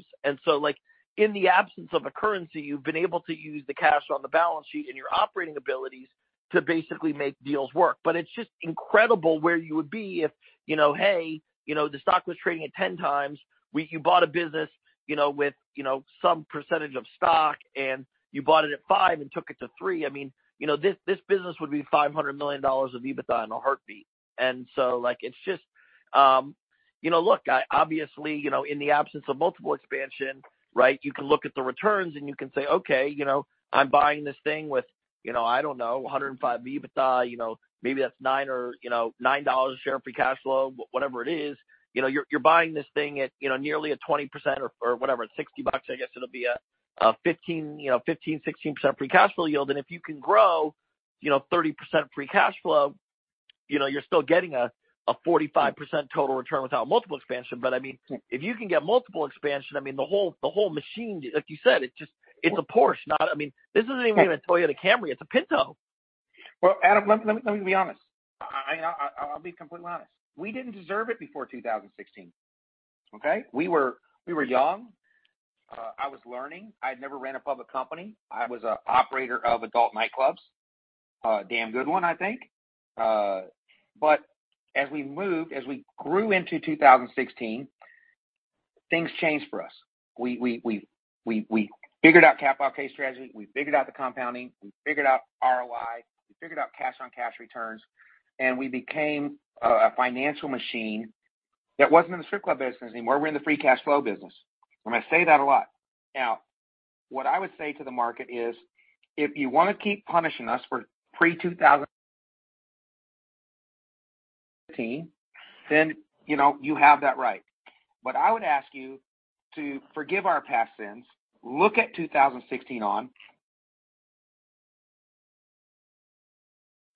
Like, in the absence of a currency, you've been able to use the cash on the balance sheet and your operating abilities to basically make deals work. It's just incredible where you would be if, you know, hey, you know, the stock was trading at 10x. You bought a business, you know, with, you know, some percentage of stock, and you bought it at 5 and took it to 3. I mean, you know, this business would be $500 million of EBITDA in a heartbeat. Like, it's just, You know, look, I obviously, you know, in the absence of multiple expansion, right? You can look at the returns, and you can say, "Okay, you know, I'm buying this thing with, you know, I don't know, 105 EBITDA. You know, maybe that's 9 or, you know, $9 a share free cash flow," whatever it is. You know, you're buying this thing at, you know, nearly a 20% or whatever, $60. I guess it'll be a fifteen, you know, 15, 16% free cash flow yield. And if you can grow, you know, 30% free cash flow, you know you're still getting a 45% total return without multiple expansion. I mean, if you can get multiple expansion, I mean, the whole machine, like you said, it just, it's a Porsche, not. I mean, this isn't even a Toyota Camry. It's a Pinto. Well, Adam, let me be honest. I'll be completely honest. We didn't deserve it before 2016, okay? We were young. I was learning. I'd never ran a public company. I was an operator of adult nightclubs. A damn good one, I think. As we moved, as we grew into 2016, things changed for us. We figured out capital allocation strategy. We figured out the compounding. We figured out ROI. We figured out cash-on-cash returns. We became a financial machine that wasn't in the strip club business anymore. We're in the free cash flow business. I say that a lot. Now, what I would say to the market is, if you wanna keep punishing us for pre-2016, then, you know, you have that right. I would ask you to forgive our past sins, look at 2016 on.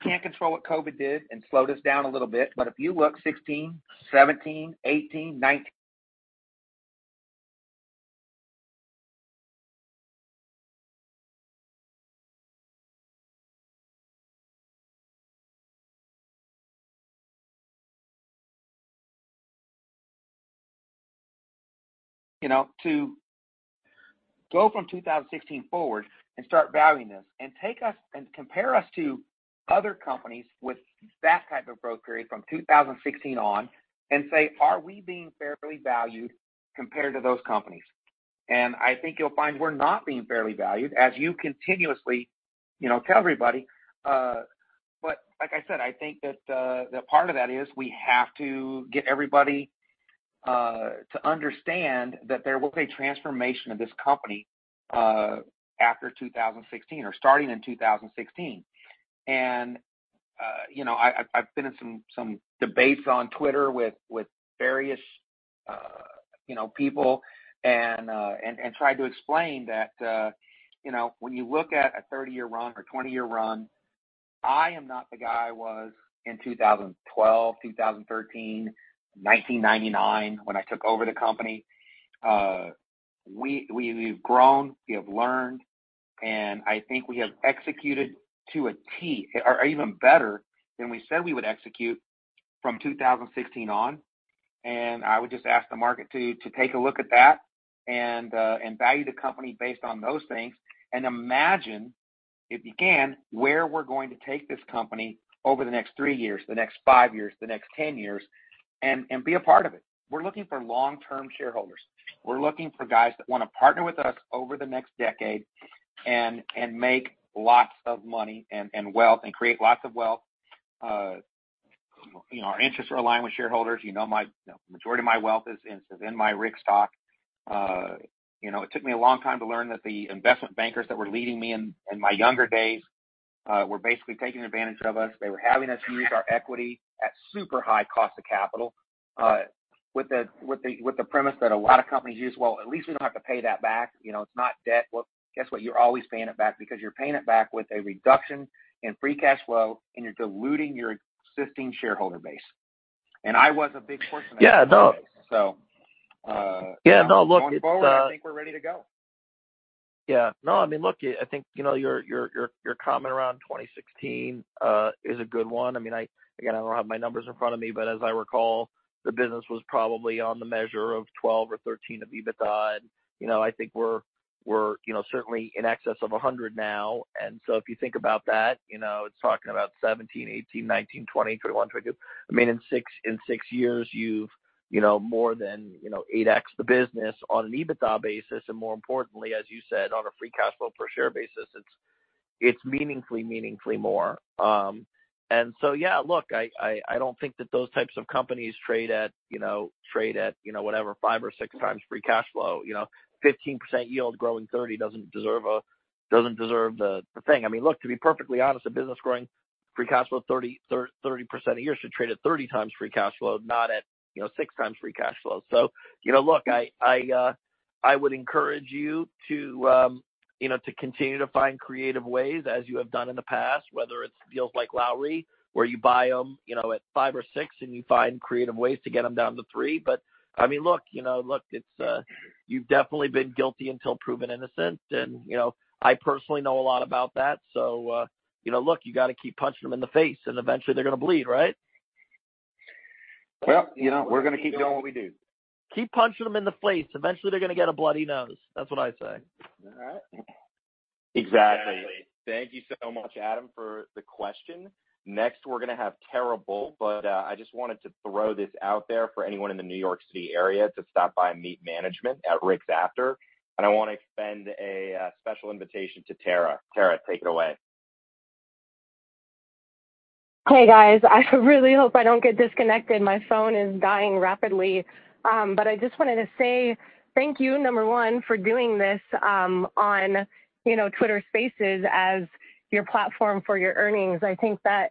Can't control what COVID did and slowed us down a little bit. If you look 2016, 2017, 2018, 2019, you know, to go from 2016 forward and start valuing us and take us and compare us to other companies with that type of growth rate from 2016 on and say, "Are we being fairly valued compared to those companies?" I think you'll find we're not being fairly valued, as you continuously, you know, tell everybody. Like I said, I think that the part of that is we have to get everybody to understand that there was a transformation of this company after 2016 or starting in 2016. You know, I've been in some debates on Twitter with various, you know, people and tried to explain that, you know, when you look at a 30-year run or 20-year run, I am not the guy I was in 2012, 2013, 1999 when I took over the company. We've grown, we have learned, and I think we have executed to a T or even better than we said we would execute from 2016 on. I would just ask the market to take a look at that and value the company based on those things and imagine if you can where we're going to take this company over the next 3 years, the next 5 years, the next 10 years, and be a part of it. We're looking for long-term shareholders. We're looking for guys that want to partner with us over the next decade and make lots of money and wealth and create lots of wealth. You know, our interests are aligned with shareholders. You know, my majority of my wealth is in my Rick's stock. You know, it took me a long time to learn that the investment bankers that were leading me in my younger days were basically taking advantage of us. They were having us use our equity at super high cost of capital, with the premise that a lot of companies use. Well, at least we don't have to pay that back. You know, it's not debt. Well, guess what? You're always paying it back because you're paying it back with a reduction in free cash flow, and you're diluting your existing shareholder base. I was a big portion of that shareholder base. Yeah. No. So, uh- Yeah. No, look, it's Going forward, I think we're ready to go. Yeah. No, I mean, look, I think, you know, your comment around 2016 is a good one. I mean, again, I don't have my numbers in front of me, but as I recall, the business was probably on the measure of 12 or 13 of EBITDA. You know, I think we're, you know, certainly in excess of 100 now. If you think about that, you know, it's talking about 2017, 2018, 2019, 2020, 2021, 2022. I mean, in six years you've, you know, more than, you know, 8x the business on an EBITDA basis and more importantly, as you said, on a free cash flow per share basis, it's meaningfully more. Yeah, look, I don't think that those types of companies trade at, you know, whatever, 5x or 6x free cash flow. You know, 15% yield growing 30% doesn't deserve the thing. I mean, look, to be perfectly honest, a business growing free cash flow 30% a year should trade at 30x free cash flow, not at, you know, 6x free cash flow. You know, look, I would encourage you to continue to find creative ways as you have done in the past, whether it's deals like Lowrie, where you buy them, you know, at 5x or 6x and you find creative ways to get them down to 3x. I mean, look, you know, look, it's, you've definitely been guilty until proven innocent. You know, I personally know a lot about that. You know, look, you got to keep punching them in the face, and eventually they're gonna bleed, right? Well, you know, we're gonna keep doing what we do. Keep punching them in the face. Eventually they're gonna get a bloody nose. That's what I say. All right. Exactly. Thank you so much, Adam, for the question. Next, we're gonna have Tara Bolt. But I just wanted to throw this out there for anyone in the New York City area to stop by and meet management at Rick's after. I wanna extend a special invitation to Tara. Tara, take it away. Hey, guys. I really hope I don't get disconnected. My phone is dying rapidly. I just wanted to say thank you, number one, for doing this, on, you know, Twitter Spaces as your platform for your earnings. I think that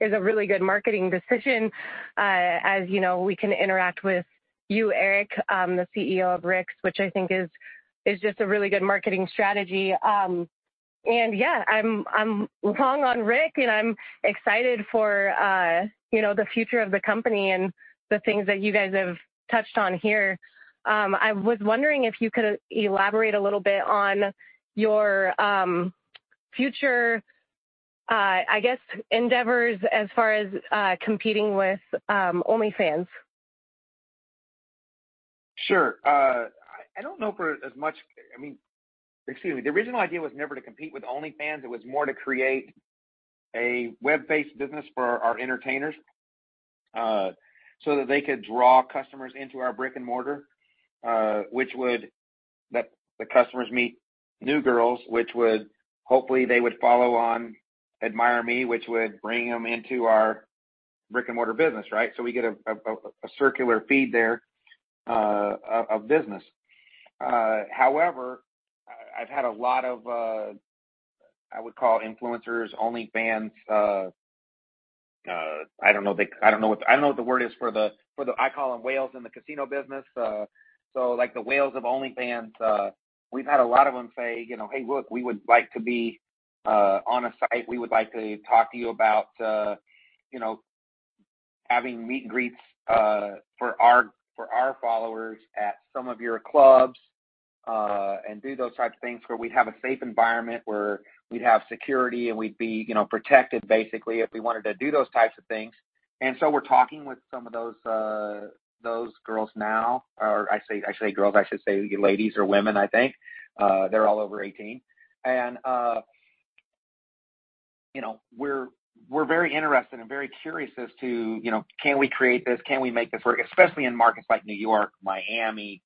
is a really good marketing decision. As you know, we can interact with you, Eric, the CEO of Rick's, which I think is just a really good marketing strategy. Yeah, I'm long on Rick, and I'm excited for, you know, the future of the company and the things that you guys have touched on here. I was wondering if you could elaborate a little bit on your, future, I guess, endeavors as far as, competing with, OnlyFans. Sure. The original idea was never to compete with OnlyFans. It was more to create a web-based business for our entertainers, so that they could draw customers into our brick-and-mortar, which would let the customers meet new girls, which would hopefully they would follow on AdmireMe, which would bring them into our brick-and-mortar business, right? So we get a circular feed there, of business. However, I've had a lot of, I would call influencers, OnlyFans, I don't know what the word is for the, I call them whales in the casino business. Like the whales of OnlyFans, we've had a lot of them say, you know, "Hey, look, we would like to be on a site. We would like to talk to you about, you know, having meet and greets for our followers at some of your clubs, and do those types of things where we'd have a safe environment, where we'd have security, and we'd be, you know, protected basically if we wanted to do those types of things." We're talking with some of those girls now. Or I say girls, I should say ladies or women, I think. They're all over eighteen. You know, we're very interested and very curious as to, you know, can we create this? Can we make this work? Especially in markets like New York, Miami,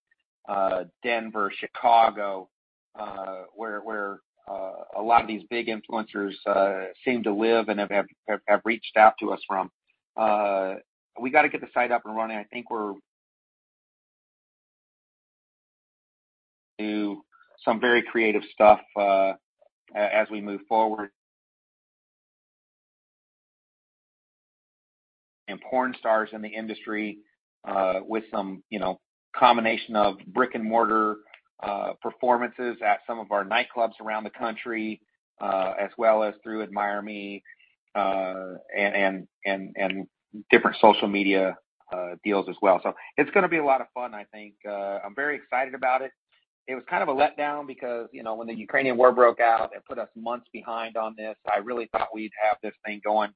Denver, Chicago, where a lot of these big influencers seem to live and have reached out to us from. We gotta get the site up and running. I think we're to do some very creative stuff as we move forward. Porn stars in the industry, with some, you know, combination of brick-and-mortar performances at some of our nightclubs around the country, as well as through AdmireMe and different social media deals as well. It's gonna be a lot of fun, I think. I'm very excited about it. It was kind of a letdown because, you know, when the Ukrainian war broke out, it put us months behind on this. I really thought we'd have this thing going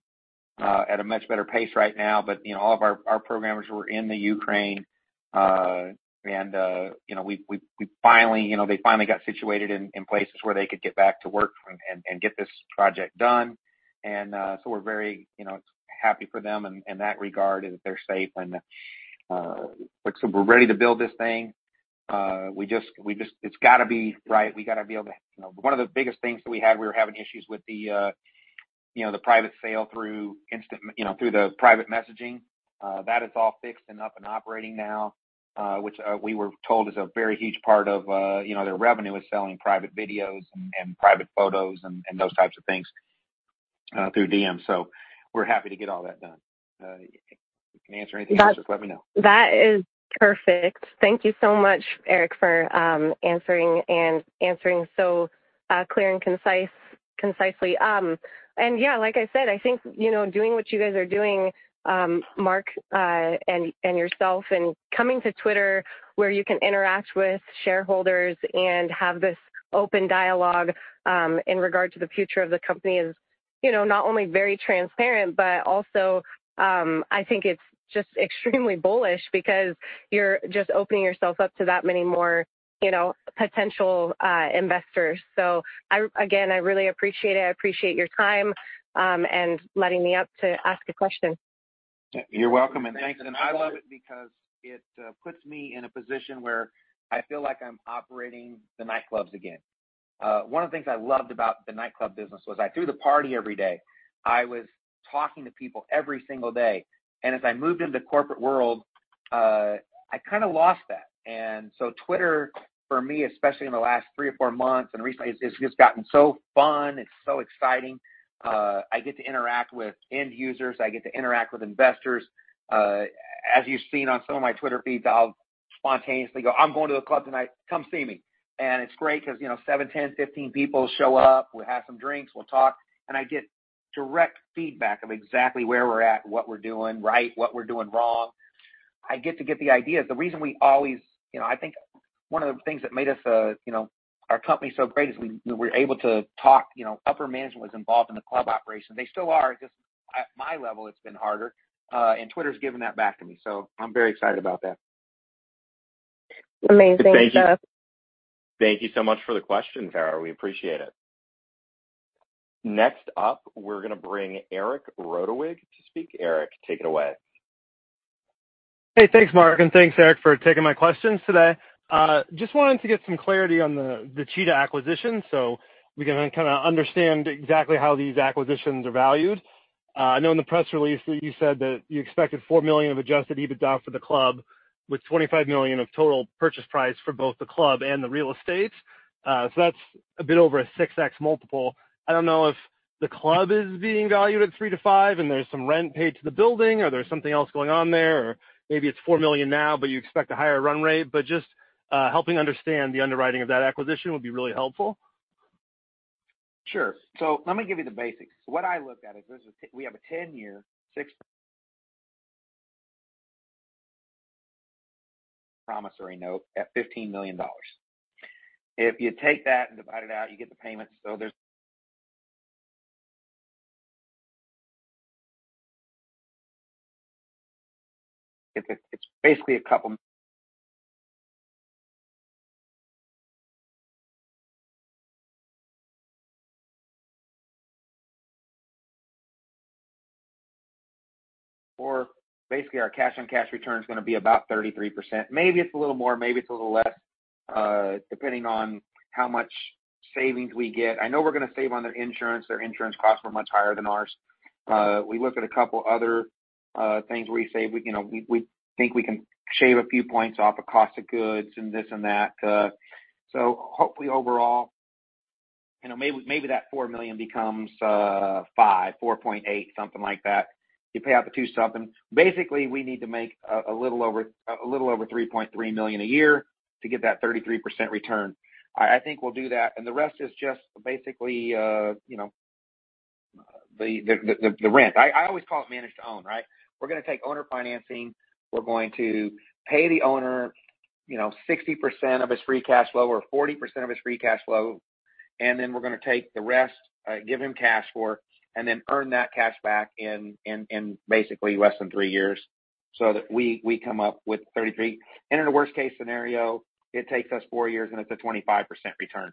at a much better pace right now. You know, all of our programmers were in the Ukraine. You know, we finally, you know, they finally got situated in places where they could get back to work and get this project done. You know, we're very happy for them in that regard, and that they're safe. We're ready to build this thing. We just. It's gotta be right. We gotta be able to. You know, one of the biggest things that we had, we were having issues with the private sale through the private messaging. That is all fixed and up and operating now, which we were told is a very huge part of, you know, their revenue is selling private videos and private photos and those types of things through DM. We're happy to get all that done. If you can answer anything else, just let me know. That is perfect. Thank you so much, Eric, for answering so clear and concisely. Yeah, like I said, I think, you know, doing what you guys are doing, Mark, and yourself and coming to Twitter where you can interact with shareholders and have this open dialogue in regard to the future of the company is, you know, not only very transparent, but also, I think it's just extremely bullish because you're just opening yourself up to that many more, you know, potential investors. Again, I really appreciate it. I appreciate your time and letting me ask a question. You're welcome. Thanks. I love it because it puts me in a position where I feel like I'm operating the nightclubs again. One of the things I loved about the nightclub business was I threw the party every day. I was talking to people every single day. As I moved into corporate world, I kinda lost that. Twitter for me, especially in the last 3 or 4 months and recently, it's just gotten so fun. It's so exciting. I get to interact with end users. I get to interact with investors. As you've seen on some of my Twitter feeds, I'll spontaneously go, "I'm going to the club tonight. Come see me." It's great because, you know, 7, 10, 15 people show up. We have some drinks, we'll talk, and I get direct feedback of exactly where we're at, what we're doing right, what we're doing wrong. I get to get the ideas. The reason we always, you know, I think one of the things that made us, you know, our company so great is we're able to talk, you know, upper management was involved in the club operations. They still are, just at my level, it's been harder. Twitter's given that back to me, so I'm very excited about that. Amazing. Thank you. Thank you so much for the question, Tara. We appreciate it. Next up, we're gonna bring Eric Rodewig to speak. Eric, take it away. Hey, thanks, Mark, and thanks, Eric, for taking my questions today. Just wanted to get some clarity on the Cheetah acquisition so we can kinda understand exactly how these acquisitions are valued. I know in the press release that you said that you expected $4 million of adjusted EBITDA for the club with $25 million of total purchase price for both the club and the real estate. So that's a bit over a 6x multiple. I don't know if the club is being valued at 3x-5x and there's some rent paid to the building, or there's something else going on there, or maybe it's $4 million now, but you expect a higher run rate. Just helping understand the underwriting of that acquisition would be really helpful. Sure. Let me give you the basics. What I look at is we have a 10-year 6% promissory note at $15 million. If you take that and divide it out, you get the payments. It's basically our cash-on-cash return is gonna be about 33%. Maybe it's a little more, maybe it's a little less, depending on how much savings we get. I know we're gonna save on their insurance. Their insurance costs were much higher than ours. We looked at a couple other things where we save. You know, we think we can shave a few points off of cost of goods and this and that. Hopefully overall, you know, maybe that $4 million becomes $5, $4.8, something like that. You pay out the two something. Basically, we need to make a little over 3.3 million a year to get that 33% return. I think we'll do that. The rest is just basically, you know, the rent. I always call it manage to own, right? We're gonna take owner financing. We're going to pay the owner, you know, 60% of his free cash flow or 40% of his free cash flow, and then we're gonna take the rest, give him cash for and then earn that cash back in basically less than 3 years so that we come up with 33. In a worst case scenario, it takes us 4 years and it's a 25% return.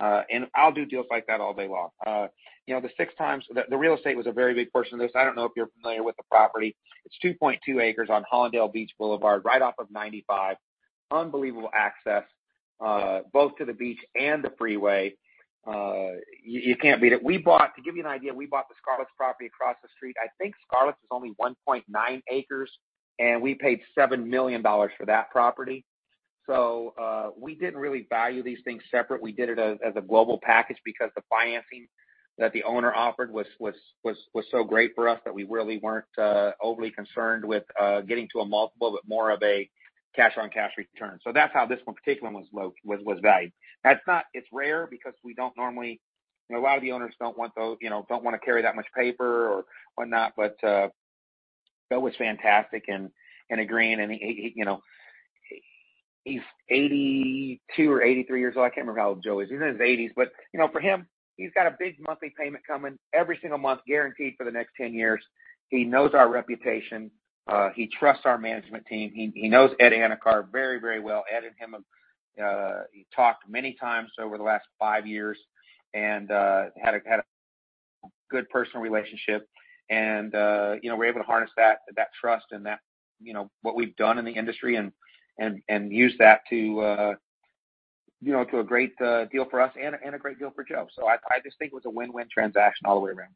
I'll do deals like that all day long. You know, the real estate was a very big portion of this. I don't know if you're familiar with the property. It's 2.2 acres on Hallandale Beach Boulevard, right off of 95. Unbelievable access, both to the beach and the freeway. You can't beat it. To give you an idea, we bought the Scarlett's property across the street. I think Scarlett's is only 1.9 acres and we paid $7 million for that property. We didn't really value these things separate. We did it as a global package because the financing that the owner offered was so great for us that we really weren't overly concerned with getting to a multiple, but more of a cash-on-cash return. That's how this one particular one was valued. It's rare because we don't normally. You know, a lot of the owners don't want those, you know, don't wanna carry that much paper or whatnot, but Joe was fantastic in agreeing, and he, you know, he's 82 or 83 years old. I can't remember how old Joe is. He's in his 80s. You know, for him, he's got a big monthly payment coming every single month, guaranteed for the next 10 years. He knows our reputation. He trusts our management team. He knows Ed Anakar very, very well. Ed and him have talked many times over the last five years and had a good personal relationship and you know, we're able to harness that trust and that you know what we've done in the industry and use that to you know to a great deal for us and a great deal for Joe. I just think it was a win-win transaction all the way around.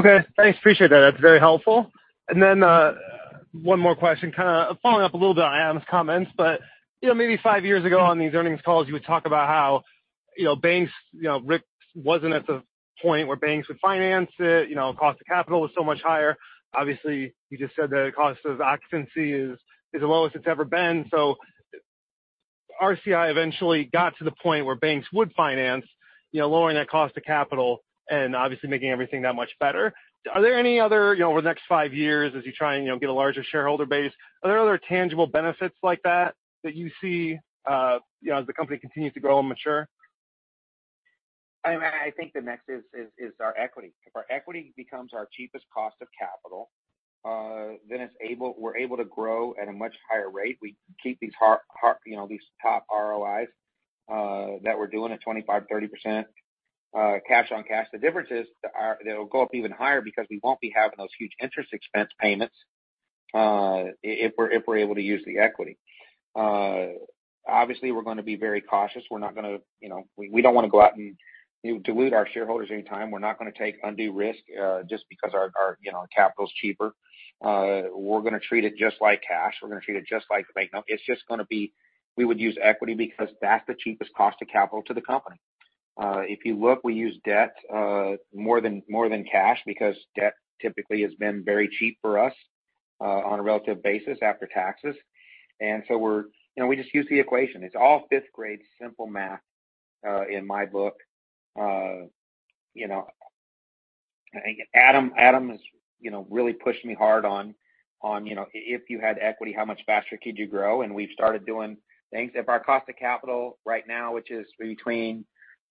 Okay, thanks. Appreciate that. That's very helpful. One more question, kinda following up a little bit on Adam's comments. You know, maybe five years ago on these earnings calls, you would talk about how, you know, banks, you know, risk wasn't at the point where banks would finance it. You know, cost of capital was so much higher. Obviously, you just said that the cost of occupancy is the lowest it's ever been. RCI eventually got to the point where banks would finance, you know, lowering that cost of capital and obviously making everything that much better. Are there any other, you know, over the next five years as you try and, you know, get a larger shareholder base, are there other tangible benefits like that you see, you know, as the company continues to grow and mature? I mean, I think the next is our equity. If our equity becomes our cheapest cost of capital, then we're able to grow at a much higher rate. We keep these, you know, these top ROIs that we're doing at 25%-30% cash on cash. The difference is it'll go up even higher because we won't be having those huge interest expense payments, if we're able to use the equity. Obviously we're gonna be very cautious. We're not gonna. You know, we don't wanna go out and dilute our shareholders anytime. We're not gonna take undue risk just because our, you know, our capital is cheaper. We're gonna treat it just like cash. We're gonna treat it just like bank note. It's just gonna be. We would use equity because that's the cheapest cost of capital to the company. If you look, we use debt more than cash because debt typically has been very cheap for us on a relative basis after taxes. You know, we just use the equation. It's all fifth-grade simple math in my book. You know, I think Adam has you know really pushed me hard on you know if you had equity, how much faster could you grow? We've started doing things. If our cost of capital right now, which is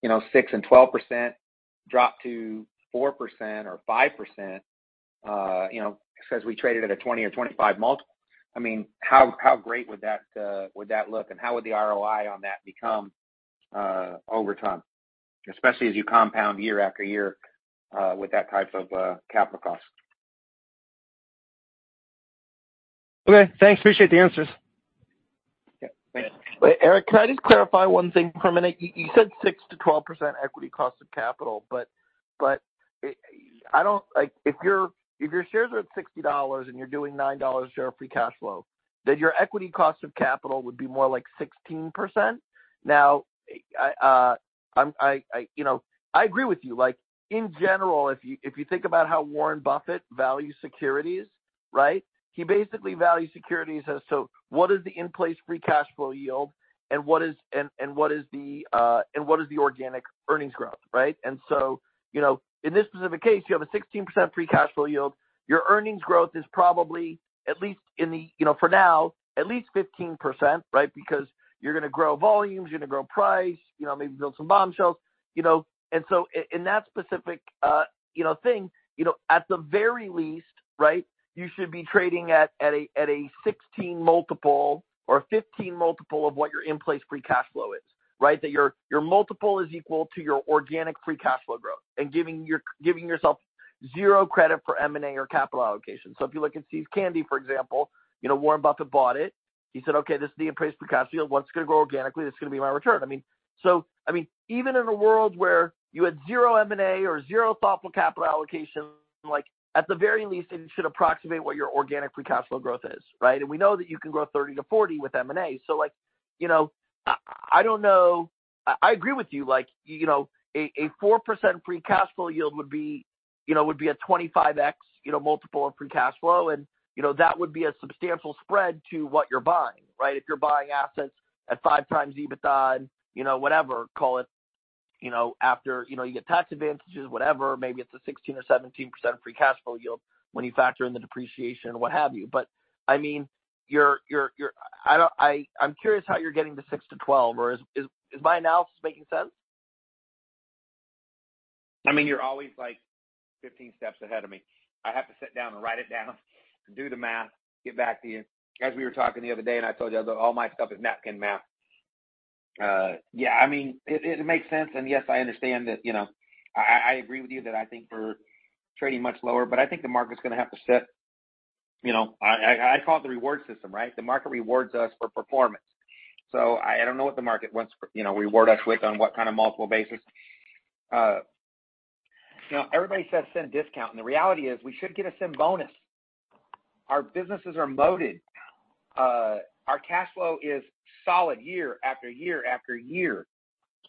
between, you know, 6% and 12%, drop to 4% or 5%, you know, because we traded at a 20 or 25 multiple, I mean, how great would that look and how would the ROI on that become over time, especially as you compound year after year with that type of capital cost? Okay, thanks. Appreciate the answers. Yeah. Thanks. Wait, Eric, can I just clarify one thing for a minute? You said 6%-12% equity cost of capital, but I don't. Like, if your shares are at $60 and you're doing $9 share free cash flow, then your equity cost of capital would be more like 16%. Now, I'm. You know, I agree with you. Like, in general, if you think about how Warren Buffett values securities, right? He basically values securities as, so what is the in-place free cash flow yield and what is the organic earnings growth, right? You know, in this specific case, you have a 16% free cash flow yield. Your earnings growth is probably at least in the, you know, for now, at least 15%, right? Because you're gonna grow volumes, you're gonna grow price, you know, maybe build some Bombshells, you know. In that specific, you know, thing, you know, at the very least, right, you should be trading at a 16x multiple or a 15x multiple of what your in-place free cash flow is, right? That your multiple is equal to your organic free cash flow growth and giving yourself zero credit for M&A or capital allocation. If you look at See's Candies, for example, you know, Warren Buffett bought it. He said, "Okay, this is the appraised free cash flow. What's it gonna grow organically? That's gonna be my return." I mean. I mean, even in a world where you had zero M&A or zero thoughtful capital allocation, like at the very least, it should approximate what your organic free cash flow growth is, right? We know that you can grow 30-40% with M&A. Like, you know, I don't know. I agree with you. Like, you know, a four percent free cash flow yield would be, you know, would be a 25x, you know, multiple of free cash flow and, you know, that would be a substantial spread to what you're buying, right? If you're buying assets at 5x EBITDA, you know, whatever, call it, you know, after, you know, you get tax advantages, whatever, maybe it's a 16% or 17% free cash flow yield when you factor in the depreciation, what have you. I mean, you're. I'm curious how you're getting the 6-12, or is my analysis making sense? I mean, you're always like 15 steps ahead of me. I have to sit down and write it down and do the math, get back to you. As we were talking the other day, and I told you, I go, "All my stuff is napkin math." I mean, it makes sense. Yes, I understand that, you know. I agree with you that I think we're trading much lower, but I think the market's gonna have to set, you know. I call it the reward system, right? The market rewards us for performance. I don't know what the market wants for. You know, reward us with on what kind of multiple basis. You know, everybody says sin discount, and the reality is we should get a sin bonus. Our businesses are moated. Our cash flow is solid year after year after year.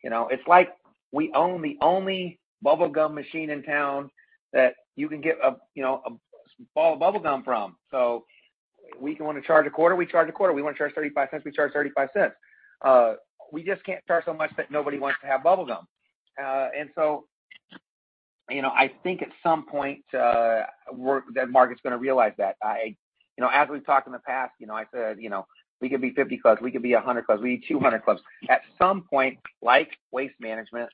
You know, it's like we own the only bubble gum machine in town that you can get a, you know, a ball of bubble gum from. If we wanna charge a quarter, we charge a quarter. If we wanna charge 35 cents, we charge 35 cents. We just can't charge so much that nobody wants to have bubble gum. You know, I think at some point, the market's gonna realize that. You know, as we've talked in the past, you know, I said, you know, we could be 50 clubs, we could be 100 clubs, we could be 200 clubs. At some point, like Waste Management,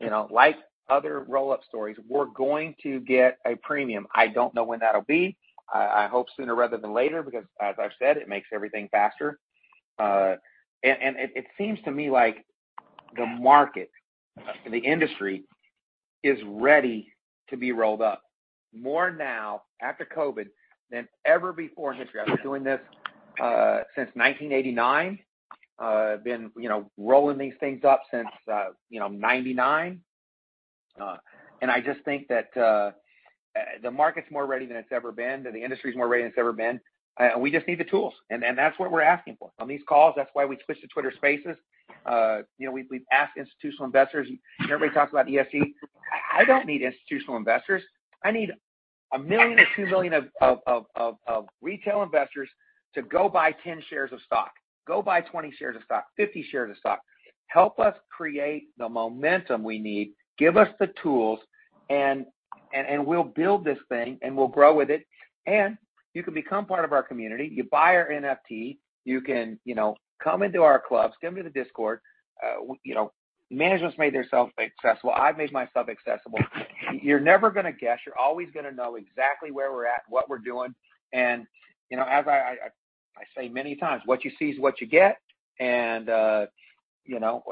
you know, like other roll-up stories, we're going to get a premium. I don't know when that'll be. I hope sooner rather than later because, as I've said, it makes everything faster. It seems to me like the market, the industry is ready to be rolled up more now after COVID than ever before in history. I've been doing this since 1989. You know, rolling these things up since, you know, 1999. I just think that the market's more ready than it's ever been, and the industry's more ready than it's ever been, and we just need the tools. That's what we're asking for. On these calls, that's why we host the Twitter Spaces. You know, we've asked institutional investors. Everybody talks about ESG. I don't need institutional investors. I need 1 million-2 million of retail investors to go buy 10 shares of stock. Go buy 20 shares of stock, 50 shares of stock. Help us create the momentum we need, give us the tools, and we'll build this thing, and we'll grow with it. You can become part of our community. You buy our NFT. You can, you know, come into our clubs, come to the Discord. You know, management's made themselves accessible. I've made myself accessible. You're never gonna guess. You're always gonna know exactly where we're at, what we're doing. You know, as I say many times, what you see is what you get. You know,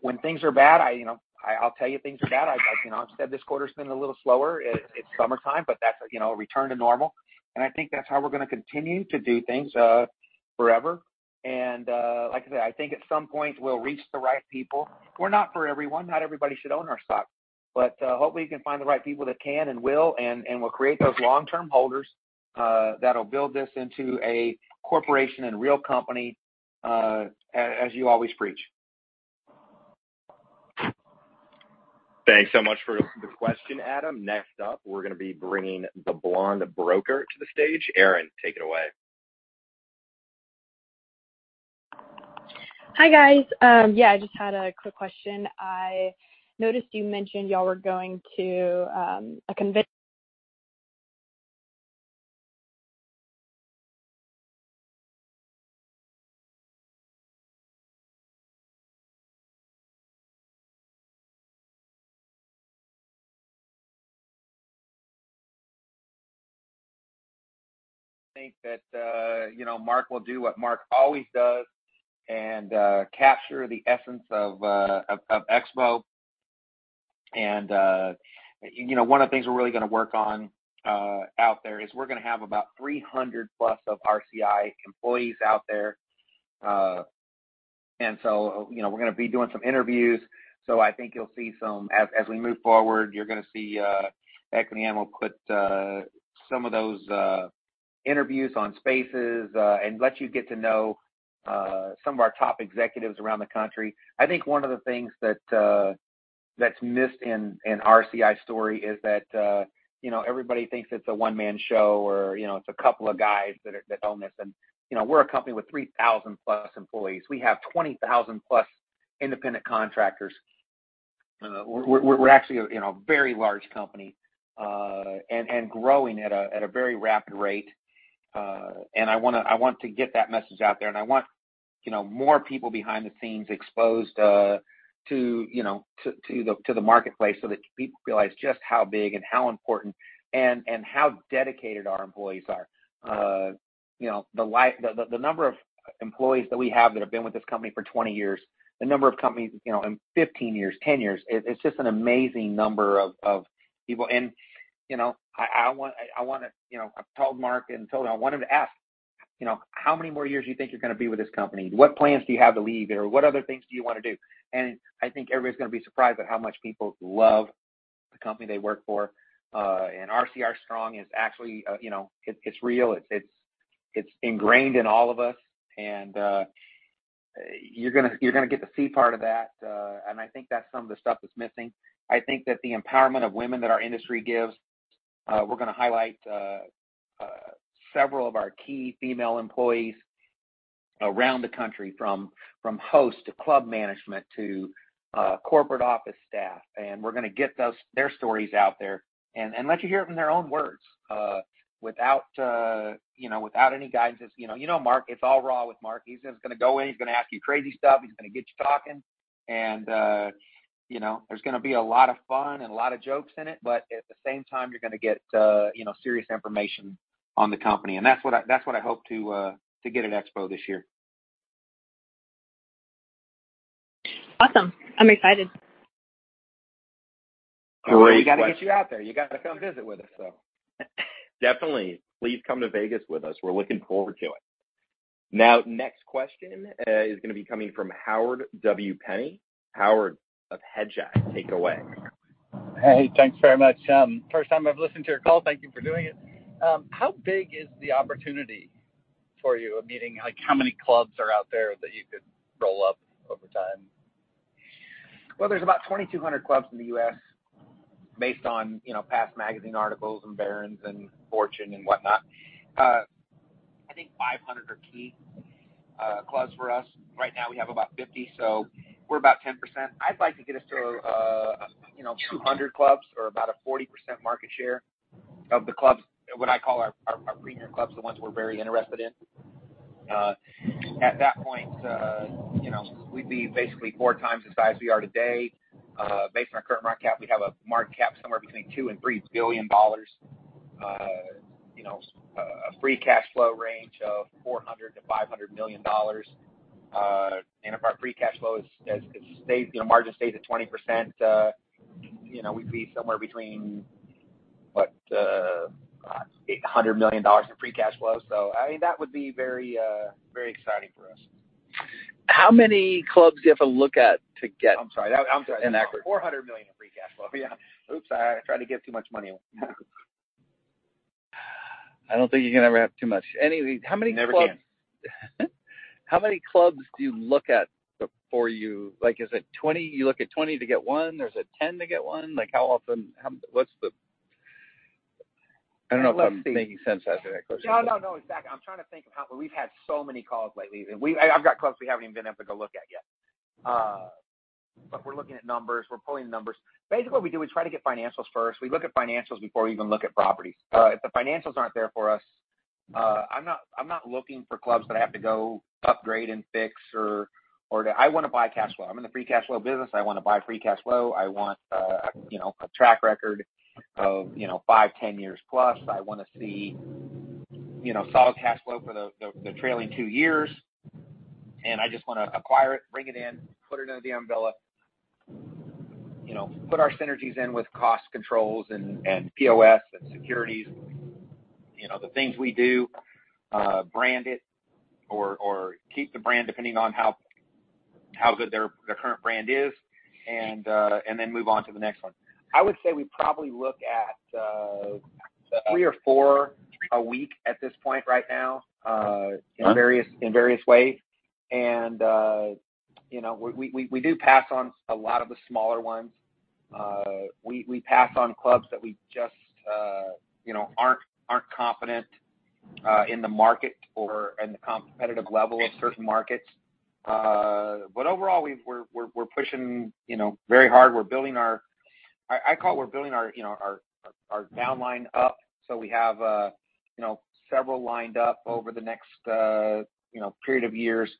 when things are bad, you know, I'll tell you things are bad. You know, I've said this quarter's been a little slower. It's summertime, but that's, you know, a return to normal. I think that's how we're gonna continue to do things forever. Like I said, I think at some point we'll reach the right people. We're not for everyone. Not everybody should own our stock. Hopefully we can find the right people that can and will create those long-term holders that'll build this into a corporation and real company, as you always preach. Thanks so much for the question, Adam. Next up, we're gonna be bringing the Blonde Broker to the stage. Erin, take it away. Hi, guys. Yeah, I just had a quick question. I noticed you mentioned y'all were going to a conven- I think that, you know, Mark will do what Mark always does and capture the essence of Expo. You know, one of the things we're really gonna work on out there is we're gonna have about 300+ of RCI employees out there. You know, we're gonna be doing some interviews. I think you'll see some as we move forward, you're gonna see Equity Animal put some of those interviews on Spaces and let you get to know some of our top executives around the country. I think one of the things that's missed in RCI's story is that, you know, everybody thinks it's a one-man show or, you know, it's a couple of guys that own this. You know, we're a company with 3,000 plus employees. We have 20,000 plus independent contractors. We're actually a, you know, very large company, and growing at a very rapid rate. I want to get that message out there, and I want, you know, more people behind the scenes exposed to the marketplace so that people realize just how big and how important and how dedicated our employees are. You know, the number of employees that we have that have been with this company for 20 years, the number of companies, you know, 15 years, 10 years, it's just an amazing number of people. You know, I want. You know, I've told Mark and told him I want him to ask, you know, "How many more years do you think you're gonna be with this company? What plans do you have to leave, or what other things do you wanna do?" I think everybody's gonna be surprised at how much people love the company they work for. RCI strong is actually, you know, it's real. It's ingrained in all of us. You're gonna get to see part of that. I think that's some of the stuff that's missing. I think that the empowerment of women that our industry gives, we're gonna highlight several of our key female employees around the country from host to club management to corporate office staff, and we're gonna get their stories out there and let you hear it from their own words, without you know, without any guidance. You know Mark. It's all raw with Mark. He's just gonna go in. He's gonna ask you crazy stuff. He's gonna get you talking. You know, there's gonna be a lot of fun and a lot of jokes in it. But at the same time, you're gonna get you know, serious information on the company. That's what I hope to get at Expo this year. Awesome. I'm excited. We gotta get you out there. You gotta come visit with us, so. Definitely. Please come to Vegas with us. We're looking forward to it. Now, next question, is gonna be coming from Howard W. Penney. Howard of Hedgeye, take it away. Hey, thanks very much. First time I've listened to your call. Thank you for doing it. How big is the opportunity for you? Meaning, like, how many clubs are out there that you could roll up over time? Well, there's about 2,200 clubs in the U.S. based on, you know, past magazine articles and Barron's and Fortune and whatnot. I think 500 are key clubs for us. Right now we have about 50, so we're about 10%. I'd like to get us to, you know, 200 clubs or about a 40% market share of the clubs, what I call our premium clubs, the ones we're very interested in. At that point, you know, we'd be basically 4x the size we are today. Based on our current market cap, we'd have a market cap somewhere between $2-$3 billion. You know, a free cash flow range of $400-$500 million. If our free cash flow is as you know margin stays at 20%, you know, we'd be somewhere between what $800 million in free cash flow. I mean, that would be very exciting for us. How many clubs do you have to look at to get? I'm sorry. I'm sorry. In that quick. $400 million in free cash flow. Yeah. Oops. I tried to get too much money. I don't think you can ever have too much. Anyway, how many clubs You never can. How many clubs do you look at before you, like, is it 20? You look at 20 to get one? Or is it 10 to get one? Like, how often, how, what's the. I don't know if I'm making sense asking that question. No, no. Exactly. I'm trying to think of how. We've had so many calls lately. I've got clubs we haven't even been able to go look at yet. We're looking at numbers. We're pulling numbers. Basically what we do, we try to get financials first. We look at financials before we even look at properties. If the financials aren't there for us, I'm not looking for clubs that I have to go upgrade and fix. I wanna buy cash flow. I'm in the free cash flow business. I wanna buy free cash flow. I want, you know, a track record of, you know, 5, 10 years plus. I wanna see, you know, solid cash flow for the trailing 2 years. I just wanna acquire it, bring it in, put it under the umbrella, you know, put our synergies in with cost controls and POS and security, you know, the things we do, brand it or keep the brand depending on how good their current brand is and then move on to the next one. I would say we probably look at three or four a week at this point right now. Okay. In various ways. You know, we do pass on a lot of the smaller ones. We pass on clubs that we just, you know, aren't confident in the market or in the competitive level of certain markets. Overall we're pushing very hard. I call it, we're building our pipeline up, so we have, you know, several lined up over the next, you know, period of years.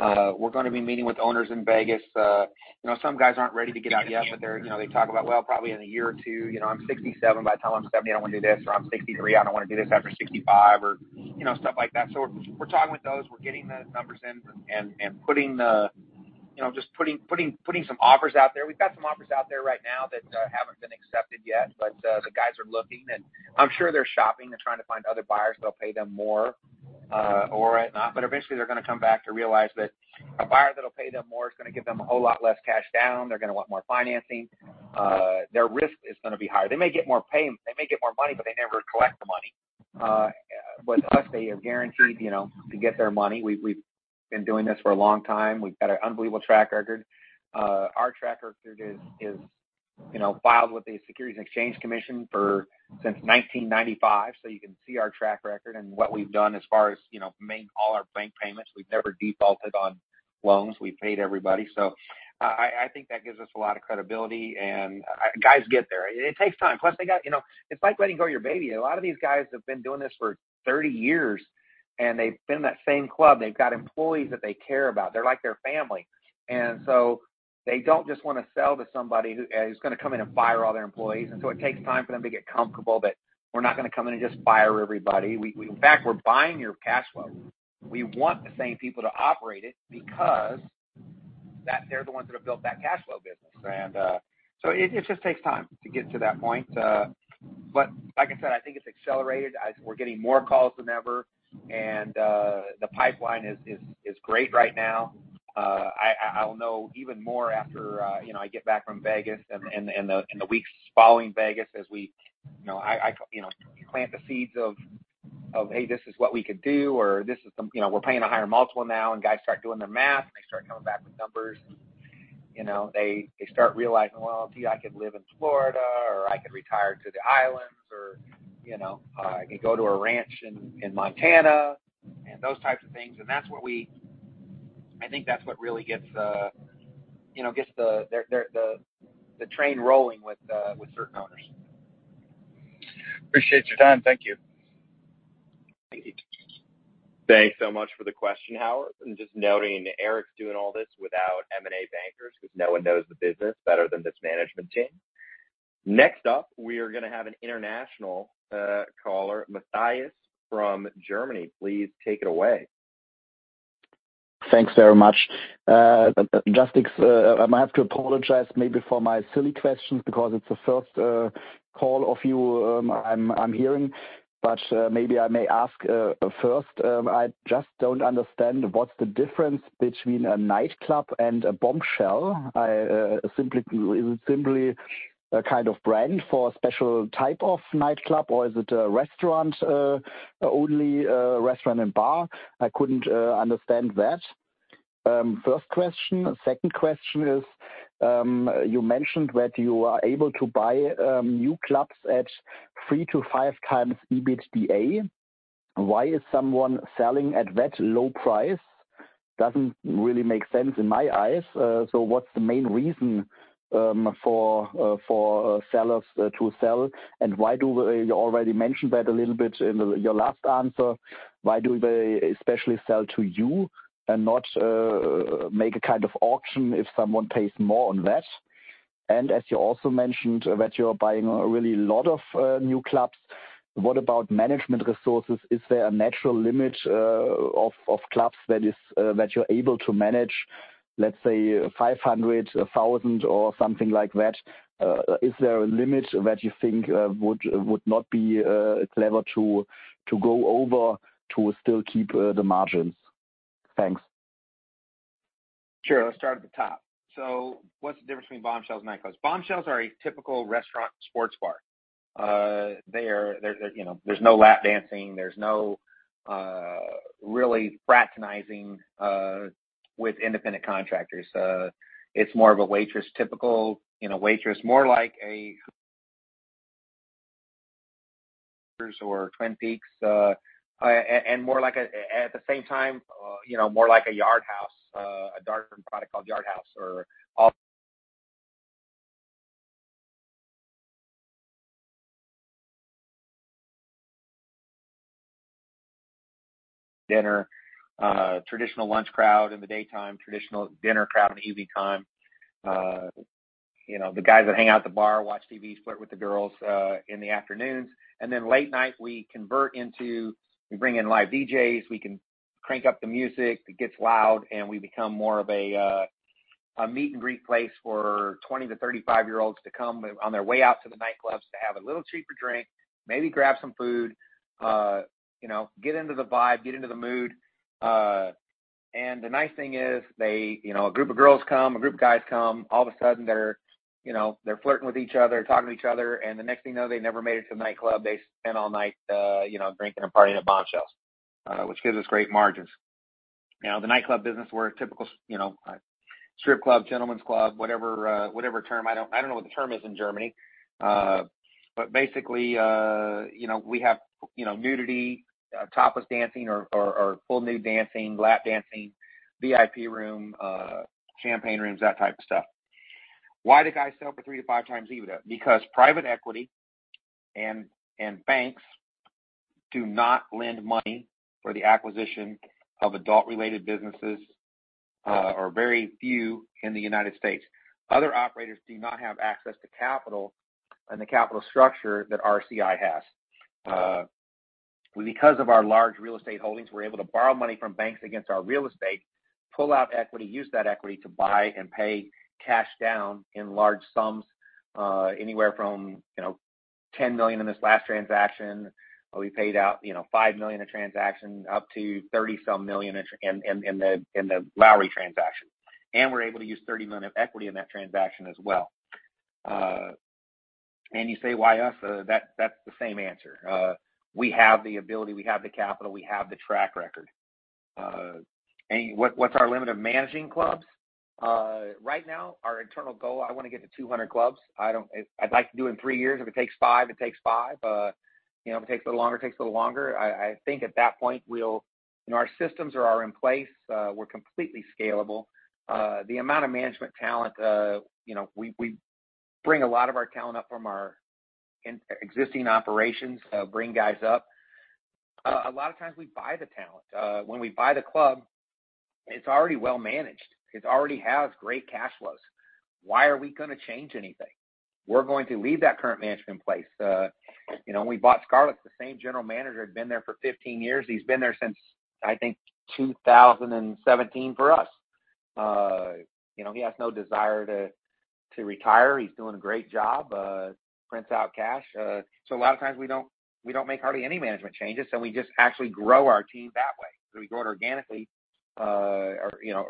We're gonna be meeting with owners in Vegas. You know, some guys aren't ready to get out yet, but they're, you know, they talk about, "Well, probably in a year or two, you know, I'm 67. By the time I'm 70, I don't wanna do this," or, "I'm 63, I don't wanna do this after 65," or, you know, stuff like that. We're talking with those. We're getting the numbers in and putting you know just putting some offers out there. We've got some offers out there right now that haven't been accepted yet, but the guys are looking, and I'm sure they're shopping. They're trying to find other buyers that'll pay them more, or whatnot. But eventually they're gonna come back to realize that a buyer that'll pay them more is gonna give them a whole lot less cash down. They're gonna want more financing. Their risk is gonna be higher. They may get more pay, they may get more money, but they never collect the money. With us they are guaranteed, you know, to get their money. We've been doing this for a long time. We've got an unbelievable track record. Our track record is, you know, filed with the Securities and Exchange Commission since 1995. You can see our track record and what we've done as far as, you know, making all our bank payments. We've never defaulted on loans. We've paid everybody. I think that gives us a lot of credibility, and guys get there. It takes time. Plus they got, you know, it's like letting go of your baby. A lot of these guys have been doing this for 30 years, and they've been in that same club. They've got employees that they care about. They're like their family. They don't just wanna sell to somebody who is gonna come in and fire all their employees. It takes time for them to get comfortable that we're not gonna come in and just fire everybody. In fact, we're buying your cash flow. We want the same people to operate it because that they're the ones that have built that cash flow business. It just takes time to get to that point. But like I said, I think it's accelerated as we're getting more calls than ever and the pipeline is great right now. I'll know even more after, you know, I get back from Vegas and the weeks following Vegas as we, you know, plant the seeds of, hey, this is what we could do or this is some. You know, we're paying a higher multiple now, and guys start doing their math, and they start coming back with numbers and, you know, they start realizing, "Well, gee, I could live in Florida or I could retire to the islands or, you know, I can go to a ranch in Montana," and those types of things. That's what I think that's what really gets, you know, gets the train rolling with certain owners. Appreciate your time. Thank you. Thank you. Thanks so much for the question, Howard. Just noting, Eric's doing all this without M&A bankers because no one knows the business better than this management team. Next up, we are gonna have an international caller, Matthias from Germany. Please take it away. Thanks very much. Justice, I might have to apologize maybe for my silly questions because it's the first call of you I'm hearing. Maybe I may ask first. I just don't understand what's the difference between a nightclub and a Bombshells. I simply, is it simply a kind of brand for a special type of nightclub, or is it a restaurant, only a restaurant and bar? I couldn't understand that. First question. Second question is, you mentioned that you are able to buy new clubs at 3-5x EBITDA. Why is someone selling at that low price? Doesn't really make sense in my eyes. So what's the main reason for sellers to sell? You already mentioned that a little bit in your last answer. Why do they especially sell to you and not make a kind of auction if someone pays more on that? As you also mentioned that you're buying a really lot of new clubs, what about management resources? Is there a natural limit of clubs that you're able to manage, let's say, 500, 1,000 or something like that? Is there a limit that you think would not be clever to go over to still keep the margins? Thanks. Sure. I'll start at the top. What's the difference between Bombshells and nightclubs? Bombshells are a typical restaurant sports bar. They're, you know, there's no lap dancing. There's no really fraternizing with independent contractors. It's more of a typical waitress, you know, more like a Twin Peaks and more like a Yardhouse at the same time, you know, a darker Yardhouse or dinner, traditional lunch crowd in the daytime, traditional dinner crowd in the evening time. You know, the guys that hang out at the bar, watch TV, flirt with the girls in the afternoons. Then late night, we convert into, we bring in live DJs, we can crank up the music, it gets loud, and we become more of a meet-and-greet place for 20- to 35-year-olds to come on their way out to the nightclubs to have a little cheaper drink, maybe grab some food, you know, get into the vibe, get into the mood. The nice thing is they, you know, a group of girls come, a group of guys come, all of a sudden they're, you know, they're flirting with each other, talking to each other, and the next thing you know, they never made it to the nightclub. They spend all night, you know, drinking and partying at Bombshells, which gives us great margins. Now, the nightclub business, we're a typical, you know, strip club, gentleman's club, whatever term. I don't know what the term is in Germany. Basically, you know, we have, you know, nudity, topless dancing or full nude dancing, lap dancing, VIP room, champagne rooms, that type of stuff. Why do guys sell for 3x-5x EBITDA? Because private equity and banks do not lend money for the acquisition of adult-related businesses, or very few in the United States. Other operators do not have access to capital and the capital structure that RCI has. Because of our large real estate holdings, we're able to borrow money from banks against our real estate, pull out equity, use that equity to buy and pay cash down in large sums, anywhere from, you know, $10 million in this last transaction. We paid out, you know, $5 million a transaction, up to $30-some million in the Lowrie transaction. We're able to use $30 million of equity in that transaction as well. You say, why us? That's the same answer. We have the ability, we have the capital, we have the track record. What's our limit of managing clubs? Right now, our internal goal, I want to get to 200 clubs. I'd like to do in 3 years. If it takes 5, it takes 5. You know, if it takes a little longer, it takes a little longer. I think at that point we'll you know our systems are in place. We're completely scalable. The amount of management talent, you know, we bring a lot of our talent up from our existing operations, bring guys up. A lot of times we buy the talent. When we buy the club, it's already well managed. It already has great cash flows. Why are we gonna change anything? We're going to leave that current management in place. You know, when we bought Scarlett's, the same general manager had been there for 15 years. He's been there since, I think, 2017 for us. You know, he has no desire to retire. He's doing a great job, prints out cash. So a lot of times we don't make hardly any management changes, and we just actually grow our team that way. We grow it organically, or, you know,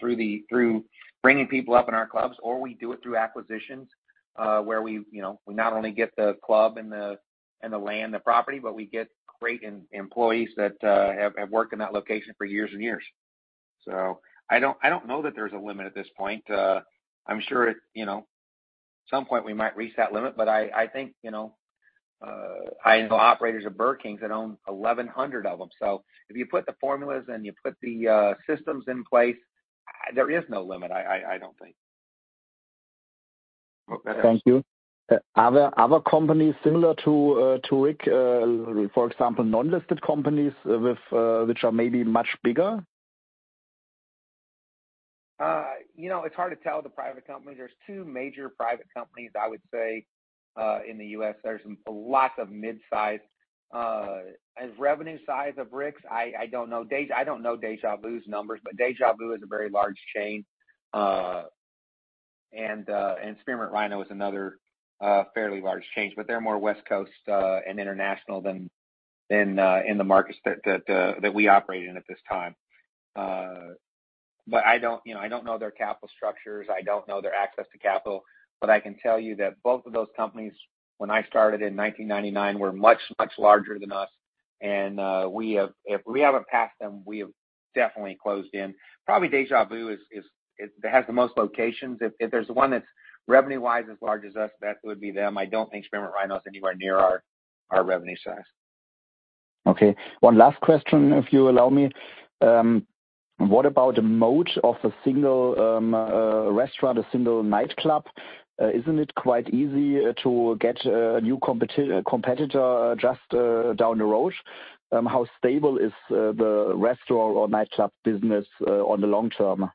through bringing people up in our clubs, or we do it through acquisitions, where we, you know, we not only get the club and the land, the property, but we get great employees that have worked in that location for years and years. I don't know that there's a limit at this point. I'm sure it, you know, at some point we might reach that limit, but I think, you know, I know operators of Burger King that own 1,100 of them. If you put the formulas and you put the systems in place, there is no limit, I don't think. Thank you. Are there other companies similar to Rick? For example, non-listed companies with which are maybe much bigger? You know, it's hard to tell with the private companies. There's two major private companies, I would say, in the U.S. There's lots of mid-sized. As revenue size of RICK's, I don't know. I don't know Déjà Vu's numbers, but Déjà Vu is a very large chain. Spearmint Rhino is another fairly large chain, but they're more West Coast and international than in the markets that we operate in at this time. But I don't know. You know, I don't know their capital structures, I don't know their access to capital. But I can tell you that both of those companies, when I started in 1999, were much, much larger than us. We have. If we haven't passed them, we have definitely closed in. Probably Déjà Vu is. It has the most locations. If there's one that's revenue-wise as large as us, that would be them. I don't think Spearmint Rhino is anywhere near our revenue size. Okay. One last question, if you allow me. What about the moat of a single restaurant, a single nightclub? Isn't it quite easy to get a new competitor just down the road? How stable is the restaurant or nightclub business on the long term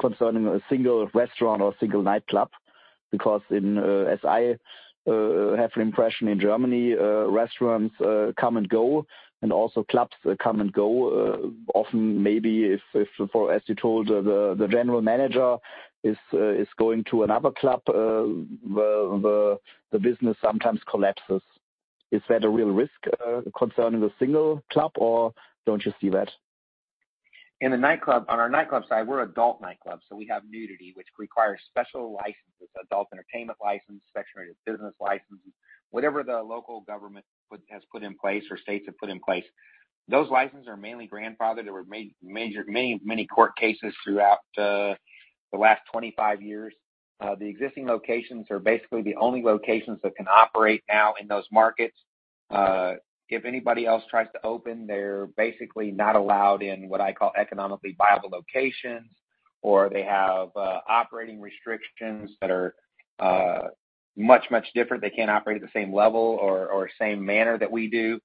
concerning a single restaurant or a single nightclub? Because as I have the impression in Germany, restaurants come and go, and also clubs come and go. Often maybe as you told, the general manager is going to another club, well, the business sometimes collapses. Is that a real risk concerning the single club, or don't you see that? In the nightclub, on our nightclub side, we're adult nightclubs, so we have nudity, which requires special licenses, adult entertainment license, sex-oriented business licenses, whatever the local government put, has put in place or states have put in place. Those licenses are mainly grandfathered. There were many, many court cases throughout the last 25 years. The existing locations are basically the only locations that can operate now in those markets. If anybody else tries to open, they're basically not allowed in what I call economically viable locations, or they have operating restrictions that are much, much different. They can't operate at the same level or same manner that we do.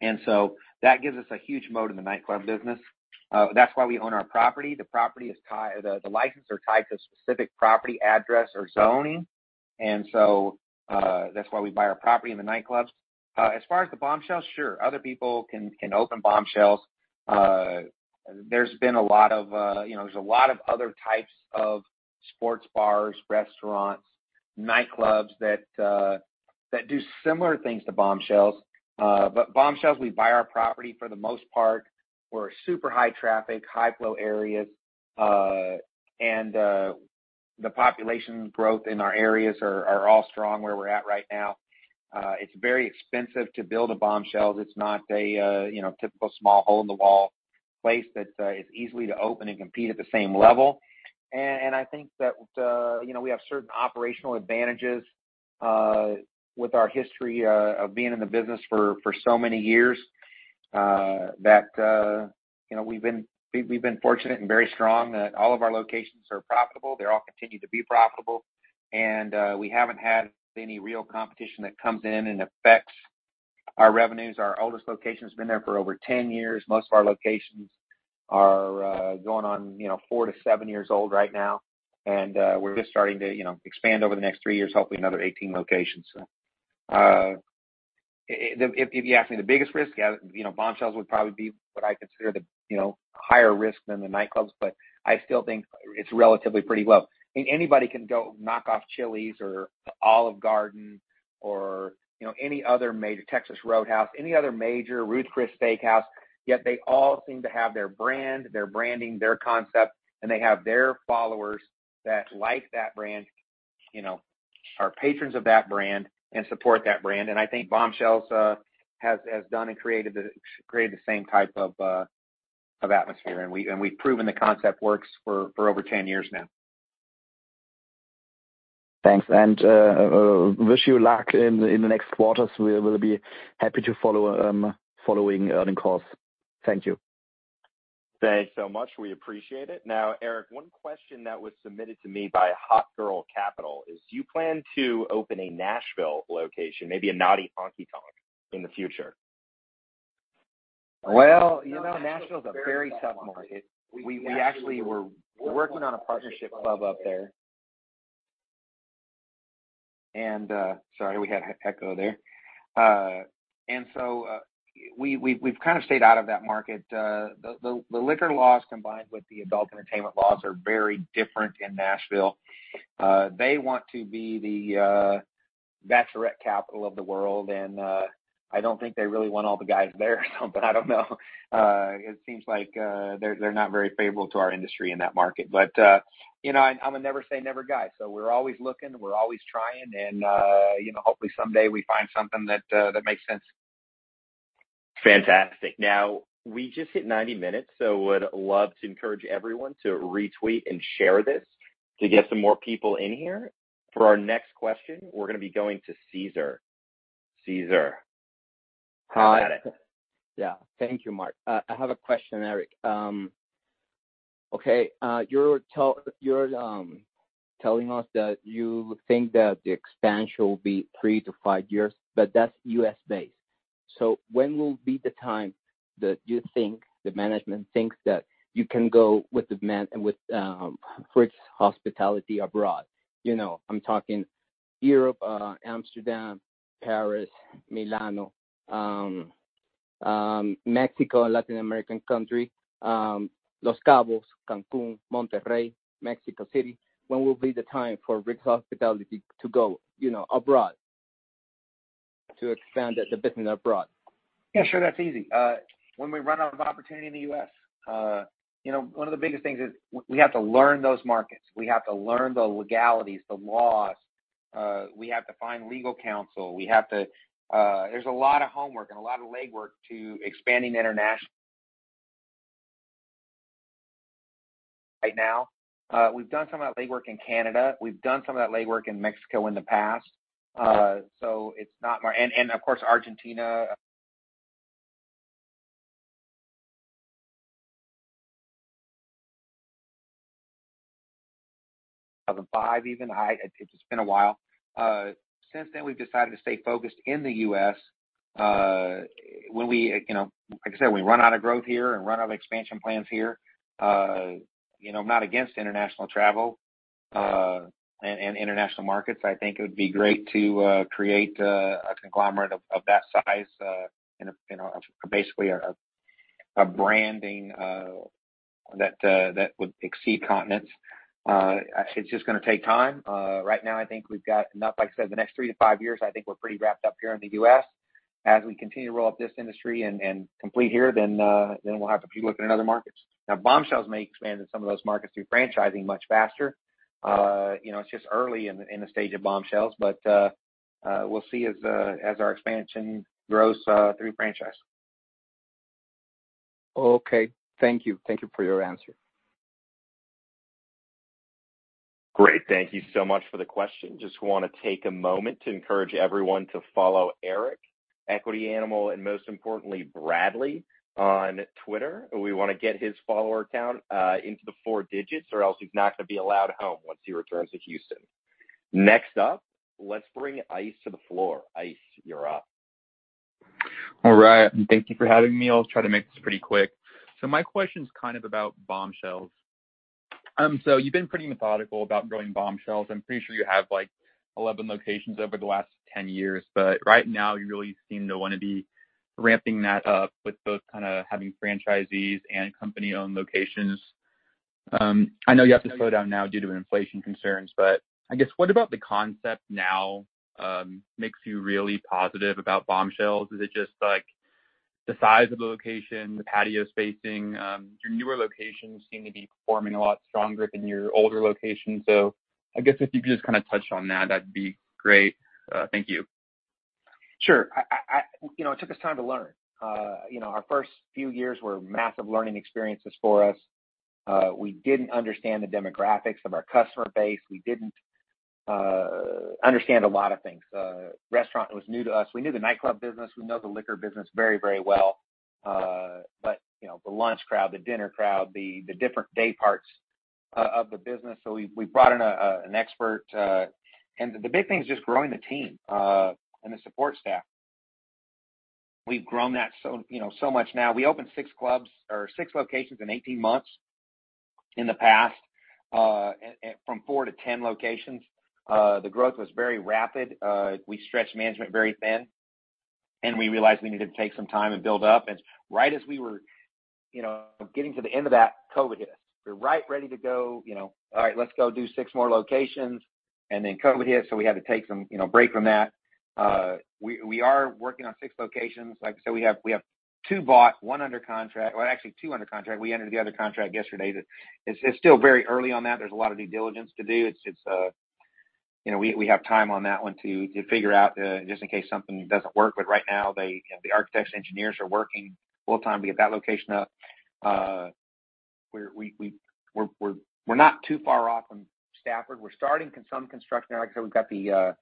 That gives us a huge moat in the nightclub business. That's why we own our property. The property is tie... The licenses are tied to a specific property address or zoning. That's why we buy our property in the nightclubs. As far as the Bombshells, sure, other people can open Bombshells. There's been a lot of, you know, other types of sports bars, restaurants, nightclubs that do similar things to Bombshells. But Bombshells, we buy our property for the most part, we're super high traffic, high flow areas, and the population growth in our areas are all strong where we're at right now. It's very expensive to build a Bombshells. It's not a, you know, typical small hole-in-the-wall place that is easy to open and compete at the same level. I think that you know, we have certain operational advantages with our history of being in the business for so many years that you know, we've been fortunate and very strong that all of our locations are profitable. They all continue to be profitable, and we haven't had any real competition that comes in and affects our revenues. Our oldest location has been there for over 10 years. Most of our locations are going on, you know, 4-7 years old right now, and we're just starting to you know, expand over the next 3 years, hopefully another 18 locations. If you ask me the biggest risk you know, Bombshells would probably be what I consider the you know, higher risk than the nightclubs, but I still think it's relatively pretty low. I mean, anybody can go knock off Chili's or Olive Garden or, you know, any other major Texas Roadhouse, any other major Ruth's Chris Steak House, yet they all seem to have their brand, their branding, their concept, and they have their followers that like that brand, you know, are patrons of that brand and support that brand. I think Bombshells has done and created the same type of atmosphere. We've proven the concept works for over 10 years now. Thanks. Wish you luck in the next quarters. We will be happy to follow following earnings calls. Thank you. Thanks so much. We appreciate it. Now, Eric, one question that was submitted to me by Hot Girl Capital is, do you plan to open a Nashville location, maybe a Naughty Honky Tonk in the future? Well, you know, Nashville is a very tough market. We actually were working on a partnership club up there. We kind of stayed out of that market. The liquor laws combined with the adult entertainment laws are very different in Nashville. They want to be the bachelorette capital of the world, and I don't think they really want all the guys there, so I don't know. It seems like they're not very favorable to our industry in that market. You know, I'm a never say never guy, so we're always looking, we're always trying, and you know, hopefully someday we find something that makes sense. Fantastic. Now, we just hit 90 minutes, so would love to encourage everyone to retweet and share this to get some more people in here. For our next question, we're gonna be going to Cesar. Cesar, have at it. Hi. Yeah. Thank you, Mark. I have a question, Eric. Okay, you're telling us that you think that the expansion will be 3-5 years, but that's U.S.-based. So when will be the time that you think, the management thinks that you can go with RCI Hospitality abroad? You know, I'm talking Europe, Amsterdam, Paris, Milano, Mexico, a Latin American country, Los Cabos, Cancún, Monterrey, Mexico City. When will be the time for RCI Hospitality to go, you know, abroad to expand the business abroad? Yeah, sure. That's easy. When we run out of opportunity in the U.S., you know, one of the biggest things is we have to learn those markets. We have to learn the legalities, the laws. We have to find legal counsel. There's a lot of homework and a lot of legwork to expanding international right now. We've done some of that legwork in Canada. We've done some of that legwork in Mexico in the past. It's not our. And of course, Argentina. Of five even. It's been a while. Since then we've decided to stay focused in the U.S. When we, you know, like I said, when we run out of growth here and run out of expansion plans here. You know, I'm not against international travel and international markets. I think it would be great to create a conglomerate of that size in a basically a branding that would exceed continents. It's just gonna take time. Right now I think we've got enough. Like I said, the next 3-5 years, I think we're pretty wrapped up here in the US. As we continue to roll up this industry and complete here, then we'll have to keep looking at other markets. Now, Bombshells may expand in some of those markets through franchising much faster. You know, it's just early in the stage of Bombshells, but we'll see as our expansion grows through franchise. Okay. Thank you. Thank you for your answer. Great. Thank you so much for the question. Just wanna take a moment to encourage everyone to follow Eric, Equity Animal, and most importantly, Bradley on Twitter. We wanna get his follower count into the four digits or else he's not gonna be allowed home once he returns to Houston. Next up, let's bring Ice to the floor. Ice, you're up. All right. Thank you for having me. I'll try to make this pretty quick. My question is kind of about Bombshells. You've been pretty methodical about growing Bombshells. I'm pretty sure you have, like, 11 locations over the last 10 years. Right now you really seem to wanna be ramping that up with both kinda having franchisees and company-owned locations. I know you have to slow down now due to inflation concerns, but I guess what about the concept now, makes you really positive about Bombshells? Is it just, like, the size of the location, the patio spacing? Your newer locations seem to be performing a lot stronger than your older locations. I guess if you could just kinda touch on that'd be great. Thank you. Sure. You know, it took us time to learn. You know, our first few years were massive learning experiences for us. We didn't understand the demographics of our customer base. We didn't understand a lot of things. Restaurant was new to us. We knew the nightclub business. We know the liquor business very, very well. But you know, the lunch crowd, the dinner crowd, the different day parts of the business. We brought in an expert. The big thing is just growing the team and the support staff. We've grown that so you know so much now. We opened 6 clubs or 6 locations in 18 months in the past, and from 4 to 10 locations. The growth was very rapid. We stretched management very thin, and we realized we needed to take some time and build up. Right as we were, you know, getting to the end of that, COVID hit us. We're right ready to go, you know, all right, let's go do six more locations, and then COVID hit, so we had to take some, you know, break from that. We are working on six locations. Like I said, we have two bought, one under contract. Well, actually two under contract. We entered the other contract yesterday. It's still very early on that. There's a lot of due diligence to do. It's you know, we have time on that one to figure out just in case something doesn't work. Right now, they, you know, the architects, engineers are working full time to get that location up. We're not too far off on Stafford. We're starting construction there. Like I said, we've got the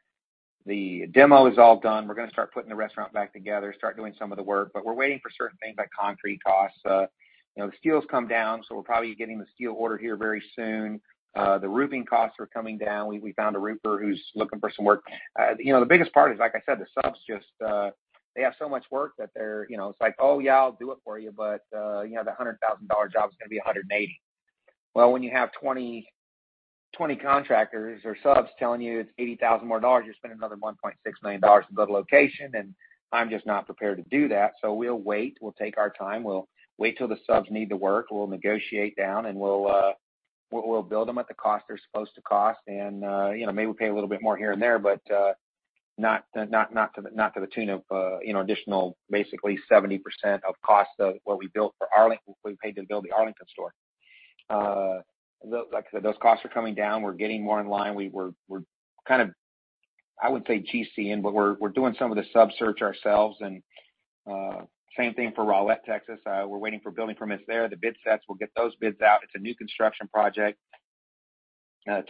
demo all done. We're gonna start putting the restaurant back together, start doing some of the work. We're waiting for certain things like concrete costs. You know, the steel's come down, so we're probably getting the steel ordered here very soon. The roofing costs are coming down. We found a roofer who's looking for some work. You know, the biggest part is, like I said, the subs just, they have so much work that they're, you know, it's like, "Oh, yeah, I'll do it for you, but, you know, the $100,000 job is gonna be $180,000." Well, when you have 20 contractors or subs telling you it's $80,000 more dollars, you're spending another $1.6 million to build a location, and I'm just not prepared to do that. We'll wait. We'll take our time. We'll wait till the subs need the work. We'll negotiate down, and we'll build them at the cost they're supposed to cost. You know, maybe we pay a little bit more here and there, but not to the tune of additional basically 70% of cost of what we paid to build the Arlington store. Like I said, those costs are coming down. We're getting more in line. We're kind of, I wouldn't say GC, but we're doing some of the sub search ourselves. Same thing for Rowlett, Texas. We're waiting for building permits there. The bid sets, we'll get those bids out. It's a new construction project.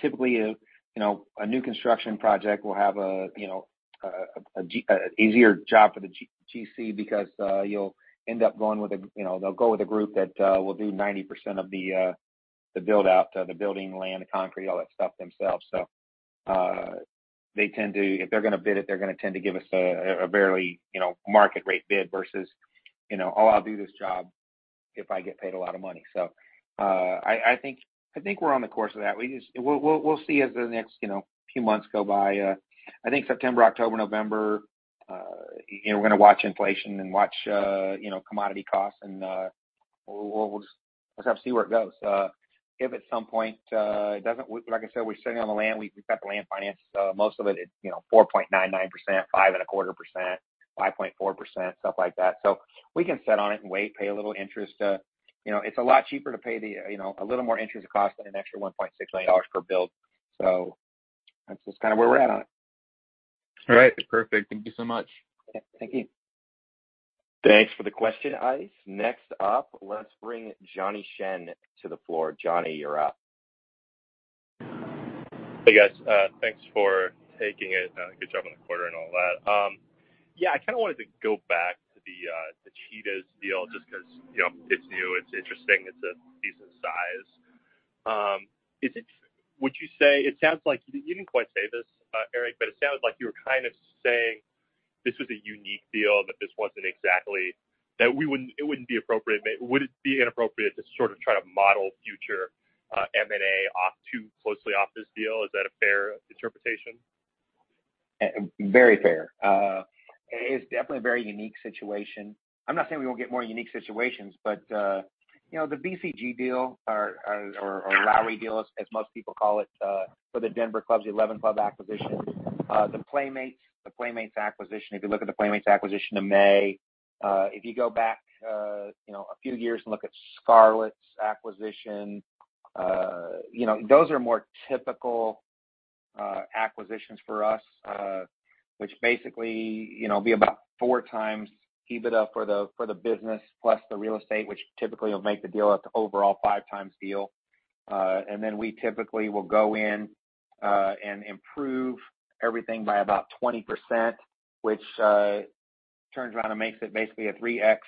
Typically, you know, a new construction project will have an easier job for the GC because you'll end up going with a You know, they'll go with a group that will do 90% of the build out, the building, land, the concrete, all that stuff themselves. They tend to, if they're gonna bid it, they're gonna tend to give us a barely, you know, market rate bid versus, you know, "Oh, I'll do this job if I get paid a lot of money." I think we're on the course of that. We just will see as the next few months go by. I think September, October, November, you know, we're gonna watch inflation and watch, you know, commodity costs, and we'll just kind of see where it goes. If at some point it doesn't work, like I said, we're sitting on the land. We've got the land financed, so most of it's you know 4.99%, 5.25%, 5.4%, stuff like that. We can sit on it and wait, pay a little interest. You know, it's a lot cheaper to pay you know a little more interest cost than an extra $1.6 million per build. That's just kind of where we're at on it. All right. Perfect. Thank you so much. Yeah. Thank you. Thanks for the question, Ice. Next up, let's bring Johnny Shen to the floor. Johnny, you're up. Hey, guys. Thanks for taking it. Good job on the quarter and all that. Yeah, I kind of wanted to go back to the Cheetah's deal just 'cause, you know, it's new, it's interesting, it's a decent size. It sounds like you didn't quite say this, Eric, but it sounds like you were kind of saying this was a unique deal, but this wasn't exactly that we wouldn't, it wouldn't be appropriate. Would it be inappropriate to sort of try to model future M&A off too closely off this deal? Is that a fair interpretation? Very fair. It's definitely a very unique situation. I'm not saying we won't get more unique situations, but you know, the BCGH deal or Lowrie deal, as most people call it, for the Denver club, the eleventh club acquisition, the Playmates acquisition, if you look at the Playmates acquisition in May, if you go back you know, a few years and look at Scarlett's acquisition, you know, those are more typical acquisitions for us, which basically you know, be about 4x EBITDA for the business plus the real estate, which typically will make the deal at the overall 5x deal. We typically will go in and improve everything by about 20%, which turns around and makes it basically a 3x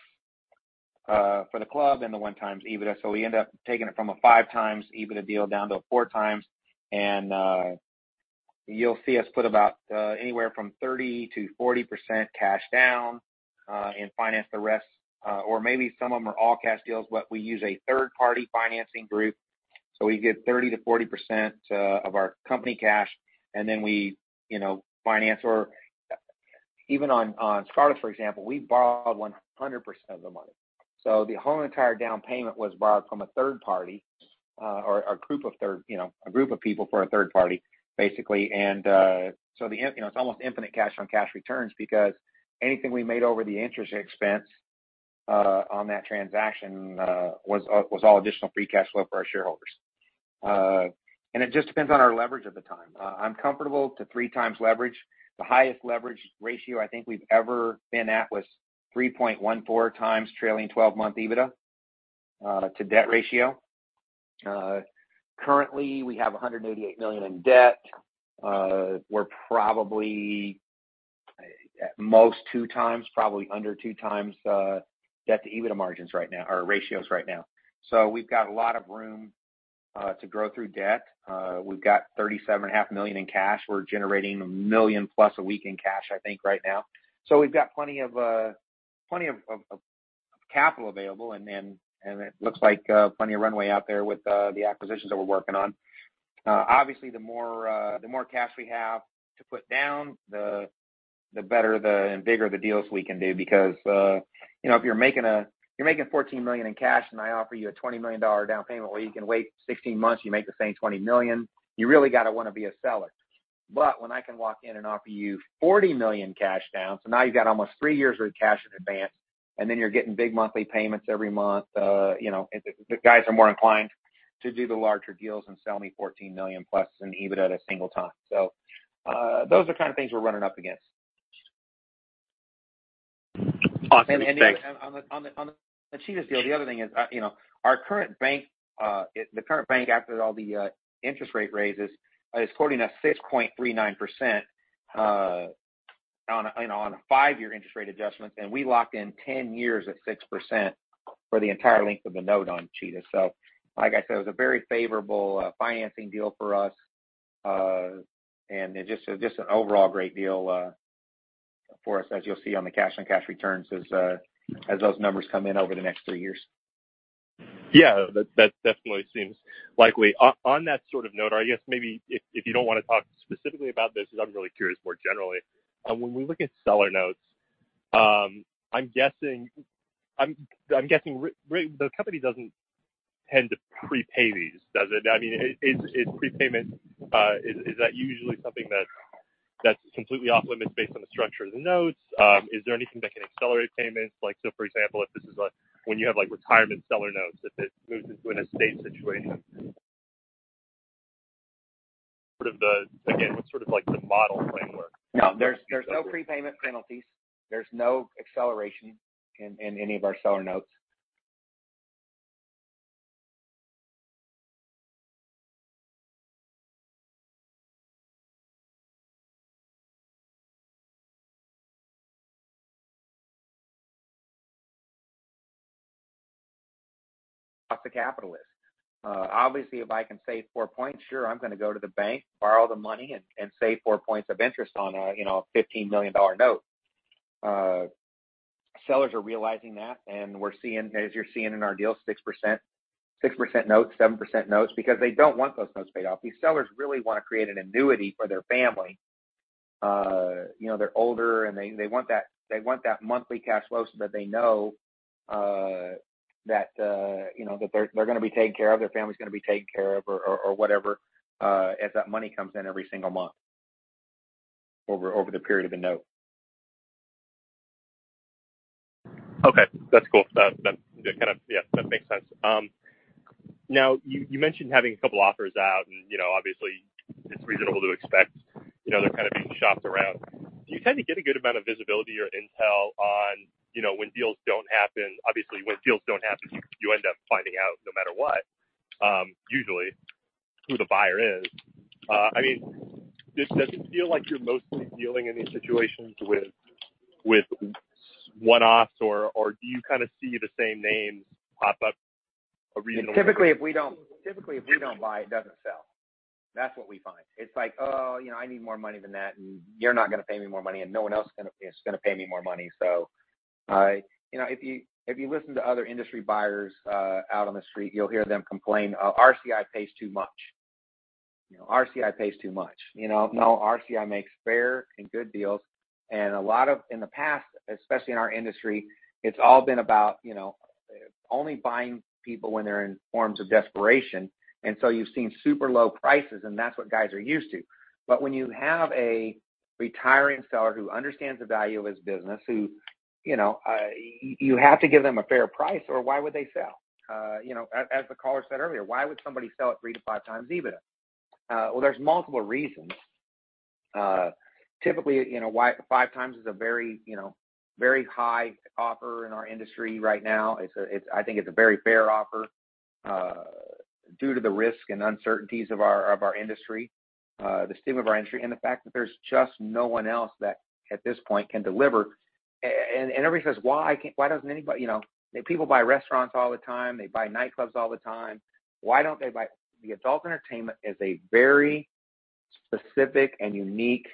for the club and the 1x EBITDA. We end up taking it from a 5x EBITDA deal down to a 4x. You'll see us put about anywhere from 30%-40% cash down and finance the rest. Maybe some of them are all cash deals, but we use a third-party financing group, so we give 30%-40% of our company cash, and then we finance. Even on Scarlett's, for example, we borrowed 100% of the money. The whole entire down payment was borrowed from a third party, or a group of third parties, basically. It's almost infinite cash-on-cash returns because anything we made over the interest expense on that transaction was all additional free cash flow for our shareholders. It just depends on our leverage at the time. I'm comfortable to 3x leverage. The highest leverage ratio I think we've ever been at was 3.14x trailing twelve-month EBITDA to debt ratio. Currently, we have $188 million in debt. We're probably at most 2x, probably under 2x, debt-to-EBITDA ratios right now. We've got a lot of room to grow through debt. We've got $37 and a half million in cash. We're generating $1 million+ a week in cash, I think, right now. We've got plenty of capital available, and then. It looks like plenty of runway out there with the acquisitions that we're working on. Obviously, the more cash we have to put down, the better the and bigger the deals we can do because, you know, you're making $14 million in cash and I offer you a $20 million down payment, or you can wait 16 months, you make the same $20 million, you really gotta wanna be a seller. When I can walk in and offer you $40 million cash down, so now you've got almost three years' worth of cash in advance, and then you're getting big monthly payments every month, the guys are more inclined to do the larger deals and sell me $14 million plus in EBITDA at a single time. Those are kind of things we're running up against. Awesome. Thanks. On the Cheetah's deal, the other thing is, you know, our current bank, the current bank after all the interest rate raises is quoting us 6.39%, you know, on a five-year interest rate adjustments, and we locked in 10 years at 6% for the entire length of the note on Cheetah. Like I said, it was a very favorable financing deal for us, and it just an overall great deal for us as you'll see on the cash-on-cash returns as those numbers come in over the next 3 years. Yeah. That definitely seems likely. On that sort of note, or I guess maybe if you don't wanna talk specifically about this, because I'm really curious more generally. When we look at seller notes, I'm guessing the company doesn't tend to prepay these, does it? I mean, is prepayment usually something that's completely off-limits based on the structure of the notes? Is there anything that can accelerate payments? Like, for example, when you have retirement seller notes, if it moves into an estate situation. Sort of the model framework. No. There's no prepayment penalties. There's no acceleration in any of our seller notes. That's a capitalist. Obviously, if I can save 4 points, sure, I'm gonna go to the bank, borrow the money, and save 4 points of interest on a, you know, $15 million note. Sellers are realizing that, and we're seeing, as you're seeing in our deals, 6% notes, 7% notes because they don't want those notes paid off. These sellers really wanna create an annuity for their family. You know, they're older and they want that monthly cash flow so that they know that you know that they're gonna be taken care of, their family's gonna be taken care of or whatever as that money comes in every single month over the period of a note. Okay. That's cool. Yeah, that makes sense. Now you mentioned having a couple offers out and, you know, obviously it's reasonable to expect, you know, they're kind of being shopped around. Do you kind of get a good amount of visibility or intel on, you know, when deals don't happen? Obviously, when deals don't happen, you end up finding out no matter what, usually who the buyer is. I mean, does it feel like you're mostly dealing in these situations with one-offs or do you kinda see the same names pop up regularly? Typically, if we don't buy, it doesn't sell. That's what we find. It's like, oh, you know, I need more money than that, and you're not gonna pay me more money, and no one else is gonna pay me more money. You know, if you listen to other industry buyers out on the street, you'll hear them complain, RCI pays too much. You know, RCI pays too much, you know. No, RCI makes fair and good deals. In the past, especially in our industry, it's all been about, you know, only buying people when they're in forms of desperation. You've seen super low prices, and that's what guys are used to. When you have a retiring seller who understands the value of his business, who, you know, you have to give them a fair price, or why would they sell? You know, as the caller said earlier, why would somebody sell it 3x-5x EBITDA? Well, there's multiple reasons. Typically, you know, why. 5x is a very, you know, very high offer in our industry right now. It's a. It's. I think it's a very fair offer, due to the risk and uncertainties of our industry, the state of our industry, and the fact that there's just no one else that at this point can deliver. And everybody says, "Why can't. Why doesn't anybody. You know, people buy restaurants all the time. They buy nightclubs all the time. Why don't they buy? The adult entertainment is a very specific and unique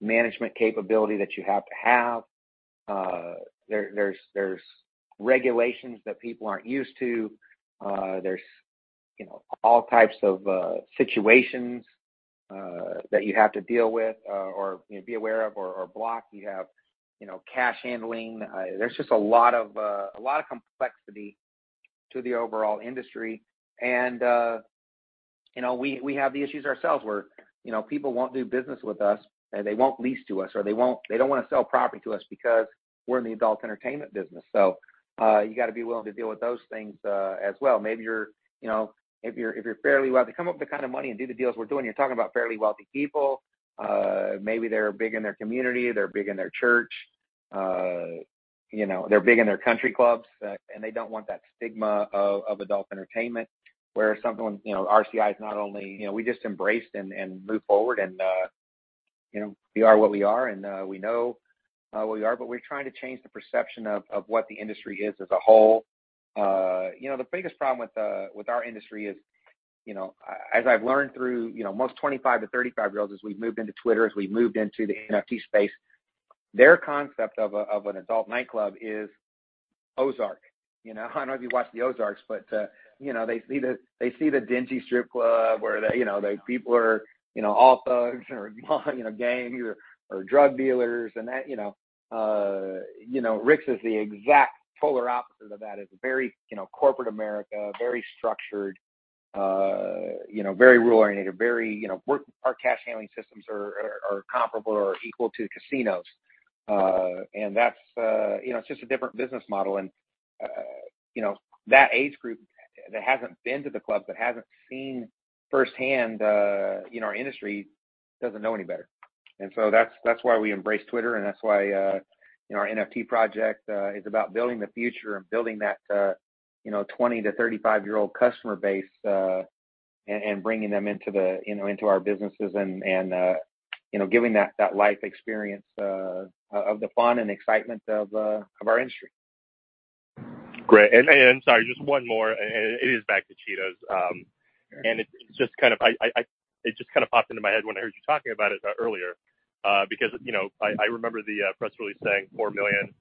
management capability that you have to have. There's regulations that people aren't used to. There's you know all types of situations that you have to deal with or you know be aware of or block. You have you know cash handling. There's just a lot of complexity to the overall industry. You know we have the issues ourselves where you know people won't do business with us and they won't lease to us or they don't wanna sell property to us because we're in the adult entertainment business. You gotta be willing to deal with those things as well. Maybe you're You know, if you're fairly wealthy, come up with the kind of money and do the deals we're doing, you're talking about fairly wealthy people. Maybe they're big in their community. They're big in their church. You know, they're big in their country clubs, and they don't want that stigma of adult entertainment. You know, we just embrace and move forward. You know, we are what we are, and we know we are, but we're trying to change the perception of what the industry is as a whole. You know, the biggest problem with our industry is, you know, as I've learned through, you know, most 25-35-year-olds, as we've moved into Twitter, as we've moved into the NFT space, their concept of a, of an adult nightclub is Ozark. You know, I don't know if you watch the Ozark, but, you know, they see the, they see the dingy strip club where they, you know, the people are, you know, all thugs or, you know, gangs or drug dealers, and that, you know. You know, Rick's is the exact polar opposite of that. It's very, you know, corporate America, very structured, you know, very rule-oriented, very, you know. Our cash handling systems are comparable or equal to casinos. That's, you know, it's just a different business model. You know, that age group that hasn't been to the club, that hasn't seen firsthand, you know, our industry doesn't know any better. That's why we embrace Twitter, and that's why, you know, our NFT project is about building the future and building that, you know, 20-35-year-old customer base, and you know, giving that life experience of the fun and excitement of our industry. Great. Sorry, just one more, it is back to Cheetah's. It just kind of popped into my head when I heard you talking about it earlier, because you know, I remember the press release saying $4 million,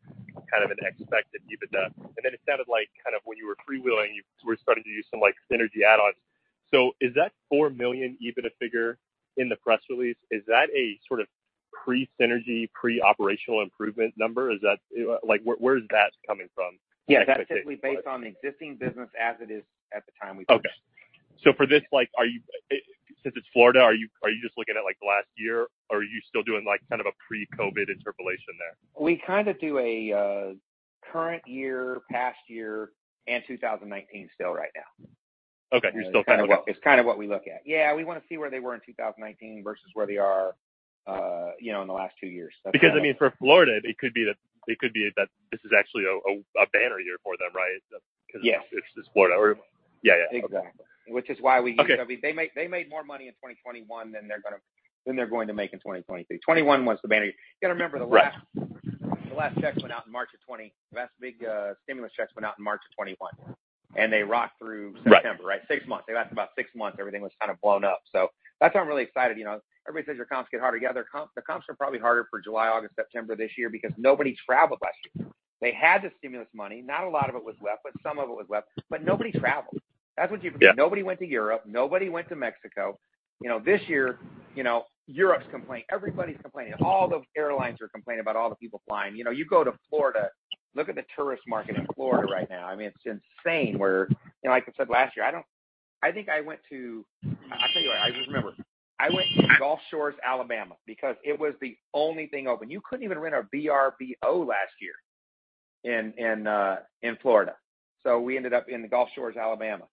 kind of an expected EBITDA. Then it sounded like kind of when you were freewheeling, you were starting to use some like synergy add-ons. So is that $4 million EBITDA figure in the press release a sort of pre-synergy, pre-operational improvement number? Like, where is that coming from? Yeah. That's simply based on the existing business as it is at the time we purchased. Okay. Since it's Florida, are you just looking at, like, the last year, or are you still doing like kind of a pre-COVID interpolation there? We kind of do a current year, past year, and 2019 still right now. Okay. You're still kind of. It's kind of what we look at. Yeah. We wanna see where they were in 2019 versus where they are, you know, in the last two years. Because I mean, for Florida, it could be that this is actually a banner year for them, right? Yes. 'Cause it's Florida. Yeah, yeah. Exactly. Which is why Okay. They made more money in 2021 than they're going to make in 2023. 2021 was the banner year. You gotta remember the last. Right The last big stimulus checks went out in March of 2021, and they rocked through September. Right. Six months. They lasted about six months, everything was kind of blown up. That's why I'm really excited. You know, everybody says your comps get harder. Yeah, the comps are probably harder for July, August, September this year because nobody traveled last year. They had the stimulus money. Not a lot of it was left, but some of it was left. Nobody traveled. That's what you forget. Yeah. Nobody went to Europe. Nobody went to Mexico. You know, this year, you know, Europe's complaining, everybody's complaining. All the airlines are complaining about all the people flying. You know, you go to Florida, look at the tourist market in Florida right now. I mean, it's insane. You know, like I said, last year, I just remembered. I went to Gulf Shores, Alabama, because it was the only thing open. You couldn't even rent a Vrbo last year in Florida. So we ended up in Gulf Shores, Alabama,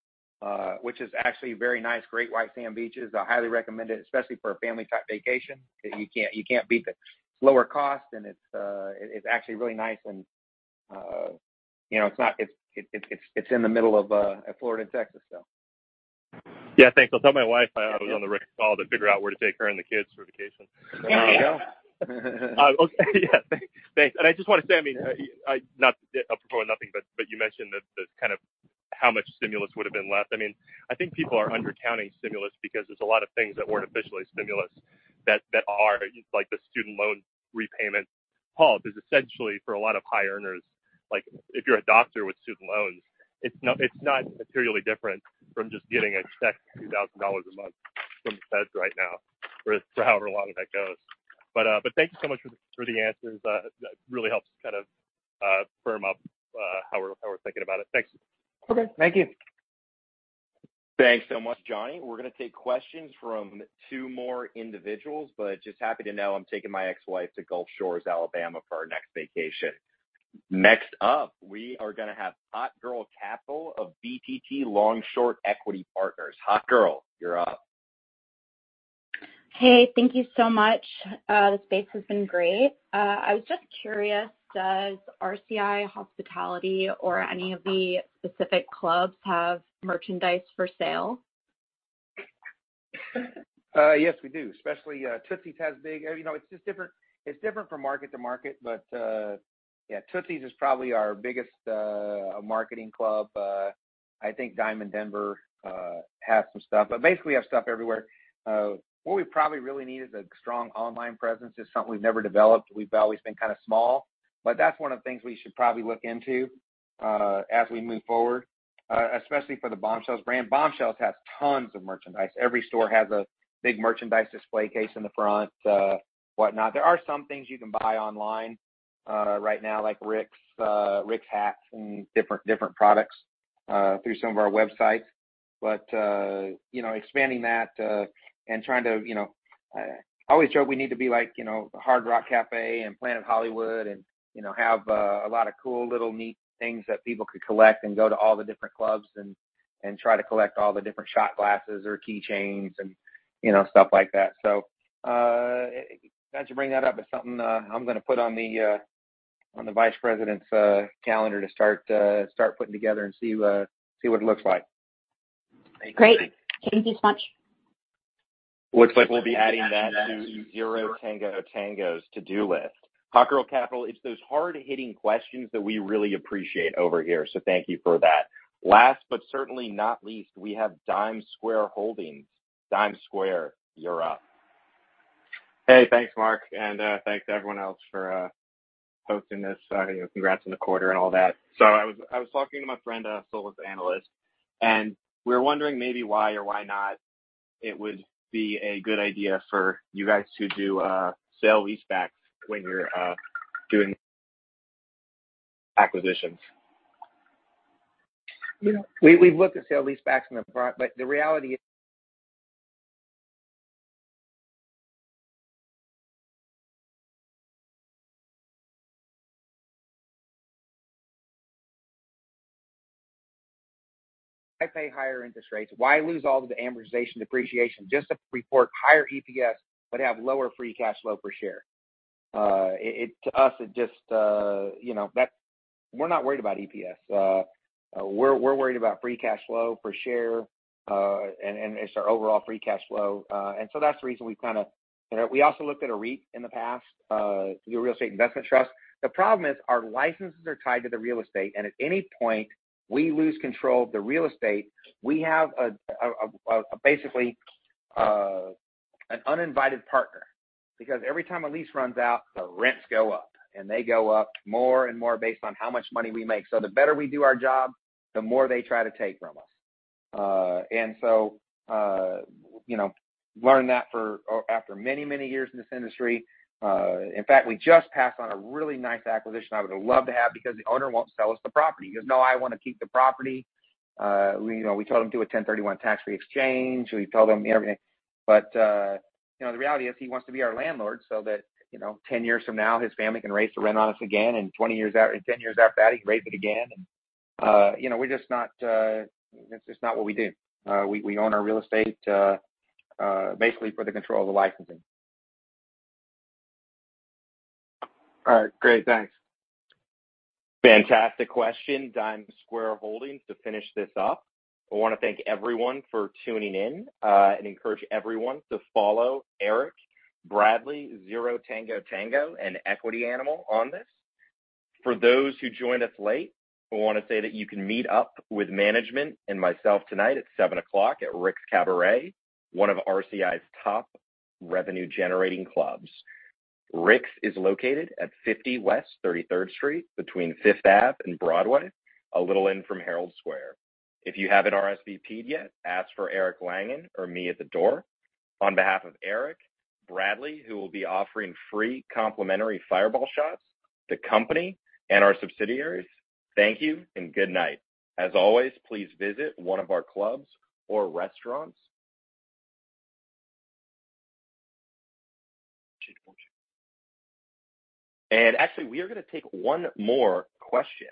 which is actually very nice, great white sand beaches. I highly recommend it, especially for a family-type vacation. You can't beat the lower cost, and it's actually really nice and, you know, it's not. It's in the middle of Florida and Texas, so. Yeah, thanks. I'll tell my wife. I was on the call to figure out where to take her and the kids for a vacation. There you go. Okay. Yeah. Thanks. I just want to say, I mean, not for nothing, but you mentioned that kind of how much stimulus would have been left. I mean, I think people are undercounting stimulus because there's a lot of things that weren't officially stimulus that are, like the student loan repayment pause is essentially for a lot of high earners. Like, if you're a doctor with student loans, it's not materially different from just getting a check $2,000 a month from the feds right now for however long that goes. But thank you so much for the answers. That really helps kind of firm up how we're thinking about it. Thanks. Okay. Thank you. Thanks so much, Johnny. We're gonna take questions from two more individuals, but just happy to know I'm taking my ex-wife to Gulf Shores, Alabama, for our next vacation. Next up, we are gonna have Hot Girl Capital of BTT Long Short Equity Partners. Hot Girl, you're up. Hey, thank you so much. This space has been great. I was just curious, does RCI Hospitality or any of the specific clubs have merchandise for sale? Yes, we do. Especially, Tootsie's has. You know, it's just different from market to market, but yeah, Tootsie's is probably our biggest marketing club. I think Diamond Cabaret has some stuff. Basically, we have stuff everywhere. What we probably really need is a strong online presence. It's something we've never developed. We've always been kind of small. That's one of the things we should probably look into as we move forward, especially for the Bombshells brand. Bombshells has tons of merchandise. Every store has a big merchandise display case in the front, whatnot. There are some things you can buy online right now, like Rick's hats and different products through some of our websites. You know, expanding that and trying to, you know. I always joke we need to be like, you know, Hard Rock Café and Planet Hollywood and, you know, have a lot of cool little neat things that people could collect and go to all the different clubs and try to collect all the different shot glasses or key chains and, you know, stuff like that. Glad you bring that up. It's something I'm gonna put on the vice president's calendar to start putting together and see what it looks like. Great. Thank you so much. Looks like we'll be adding that to Zero Tango Tango's to-do list. Hot Girl Capital, it's those hard-hitting questions that we really appreciate over here, so thank you for that. Last, but certainly not least, we have Dime Square Holdings. Dime Square, you're up. Hey, thanks, Mark, and thanks everyone else for hosting this. You know, congrats on the quarter and all that. I was talking to my friend, a Solus analyst, and we're wondering maybe why or why not it would be a good idea for you guys to do a sale-leaseback when you're doing acquisitions. You know, we've looked at sale-leasebacks up front, but the reality is I pay higher interest rates. Why lose all of the amortization, depreciation, just to report higher EPS, but have lower free cash flow per share? To us, it just. We're not worried about EPS. We're worried about free cash flow per share, and it's our overall free cash flow. That's the reason we've kind of. You know, we also looked at a REIT in the past, to do a real estate investment trust. The problem is our licenses are tied to the real estate, and at any point we lose control of the real estate, we have a basically an uninvited partner. Because every time a lease runs out, the rents go up, and they go up more and more based on how much money we make. The better we do our job, the more they try to take from us. You know, after many, many years in this industry. In fact, we just passed on a really nice acquisition I would have loved to have because the owner won't sell us the property. He goes, "No, I want to keep the property." You know, we told him to do a 1031 tax-free exchange. We told him everything. You know, the reality is he wants to be our landlord so that, you know, 10 years from now, his family can raise the rent on us again, and 10 years after that, he can raise it again. You know, we're just not. It's just not what we do. We own our real estate basically for the control of the licensing. All right, great. Thanks. Fantastic question. Dime Square Holdings to finish this up. I want to thank everyone for tuning in and encourage everyone to follow Eric, Bradley, Zero Tango Tango and Equity Animal on this. For those who joined us late, I want to say that you can meet up with management and myself tonight at 7:00 P.M. at Rick's Cabaret, one of RCI's top revenue generating clubs. Rick's is located at 50 West 33rd Street between Fifth Ave and Broadway, a little in from Herald Square. If you haven't RSVP'd yet, ask for Eric Langan or me at the door. On behalf of Eric, Bradley, who will be offering free complimentary Fireball shots, the company and our subsidiaries, thank you and good night. As always, please visit one of our clubs or restaurants. Actually, we are gonna take one more question.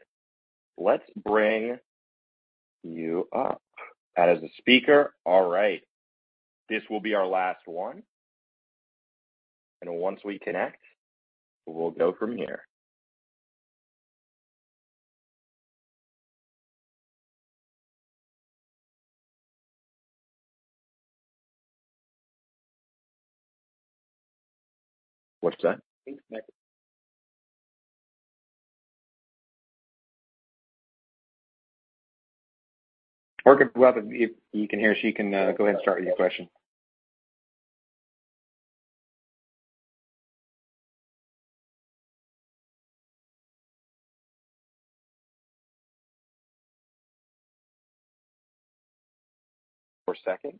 Let's bring you up. Add as a speaker. All right. This will be our last one, and once we connect, we'll go from here. What's that? Well, if you can hear, she can go ahead and start your question for a second.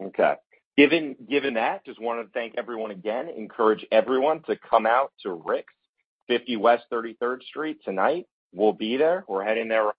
Okay. Given that, just wanted to thank everyone again. Encourage everyone to come out to Rick's, 50 West 33rd Street tonight. We'll be there. We're heading there.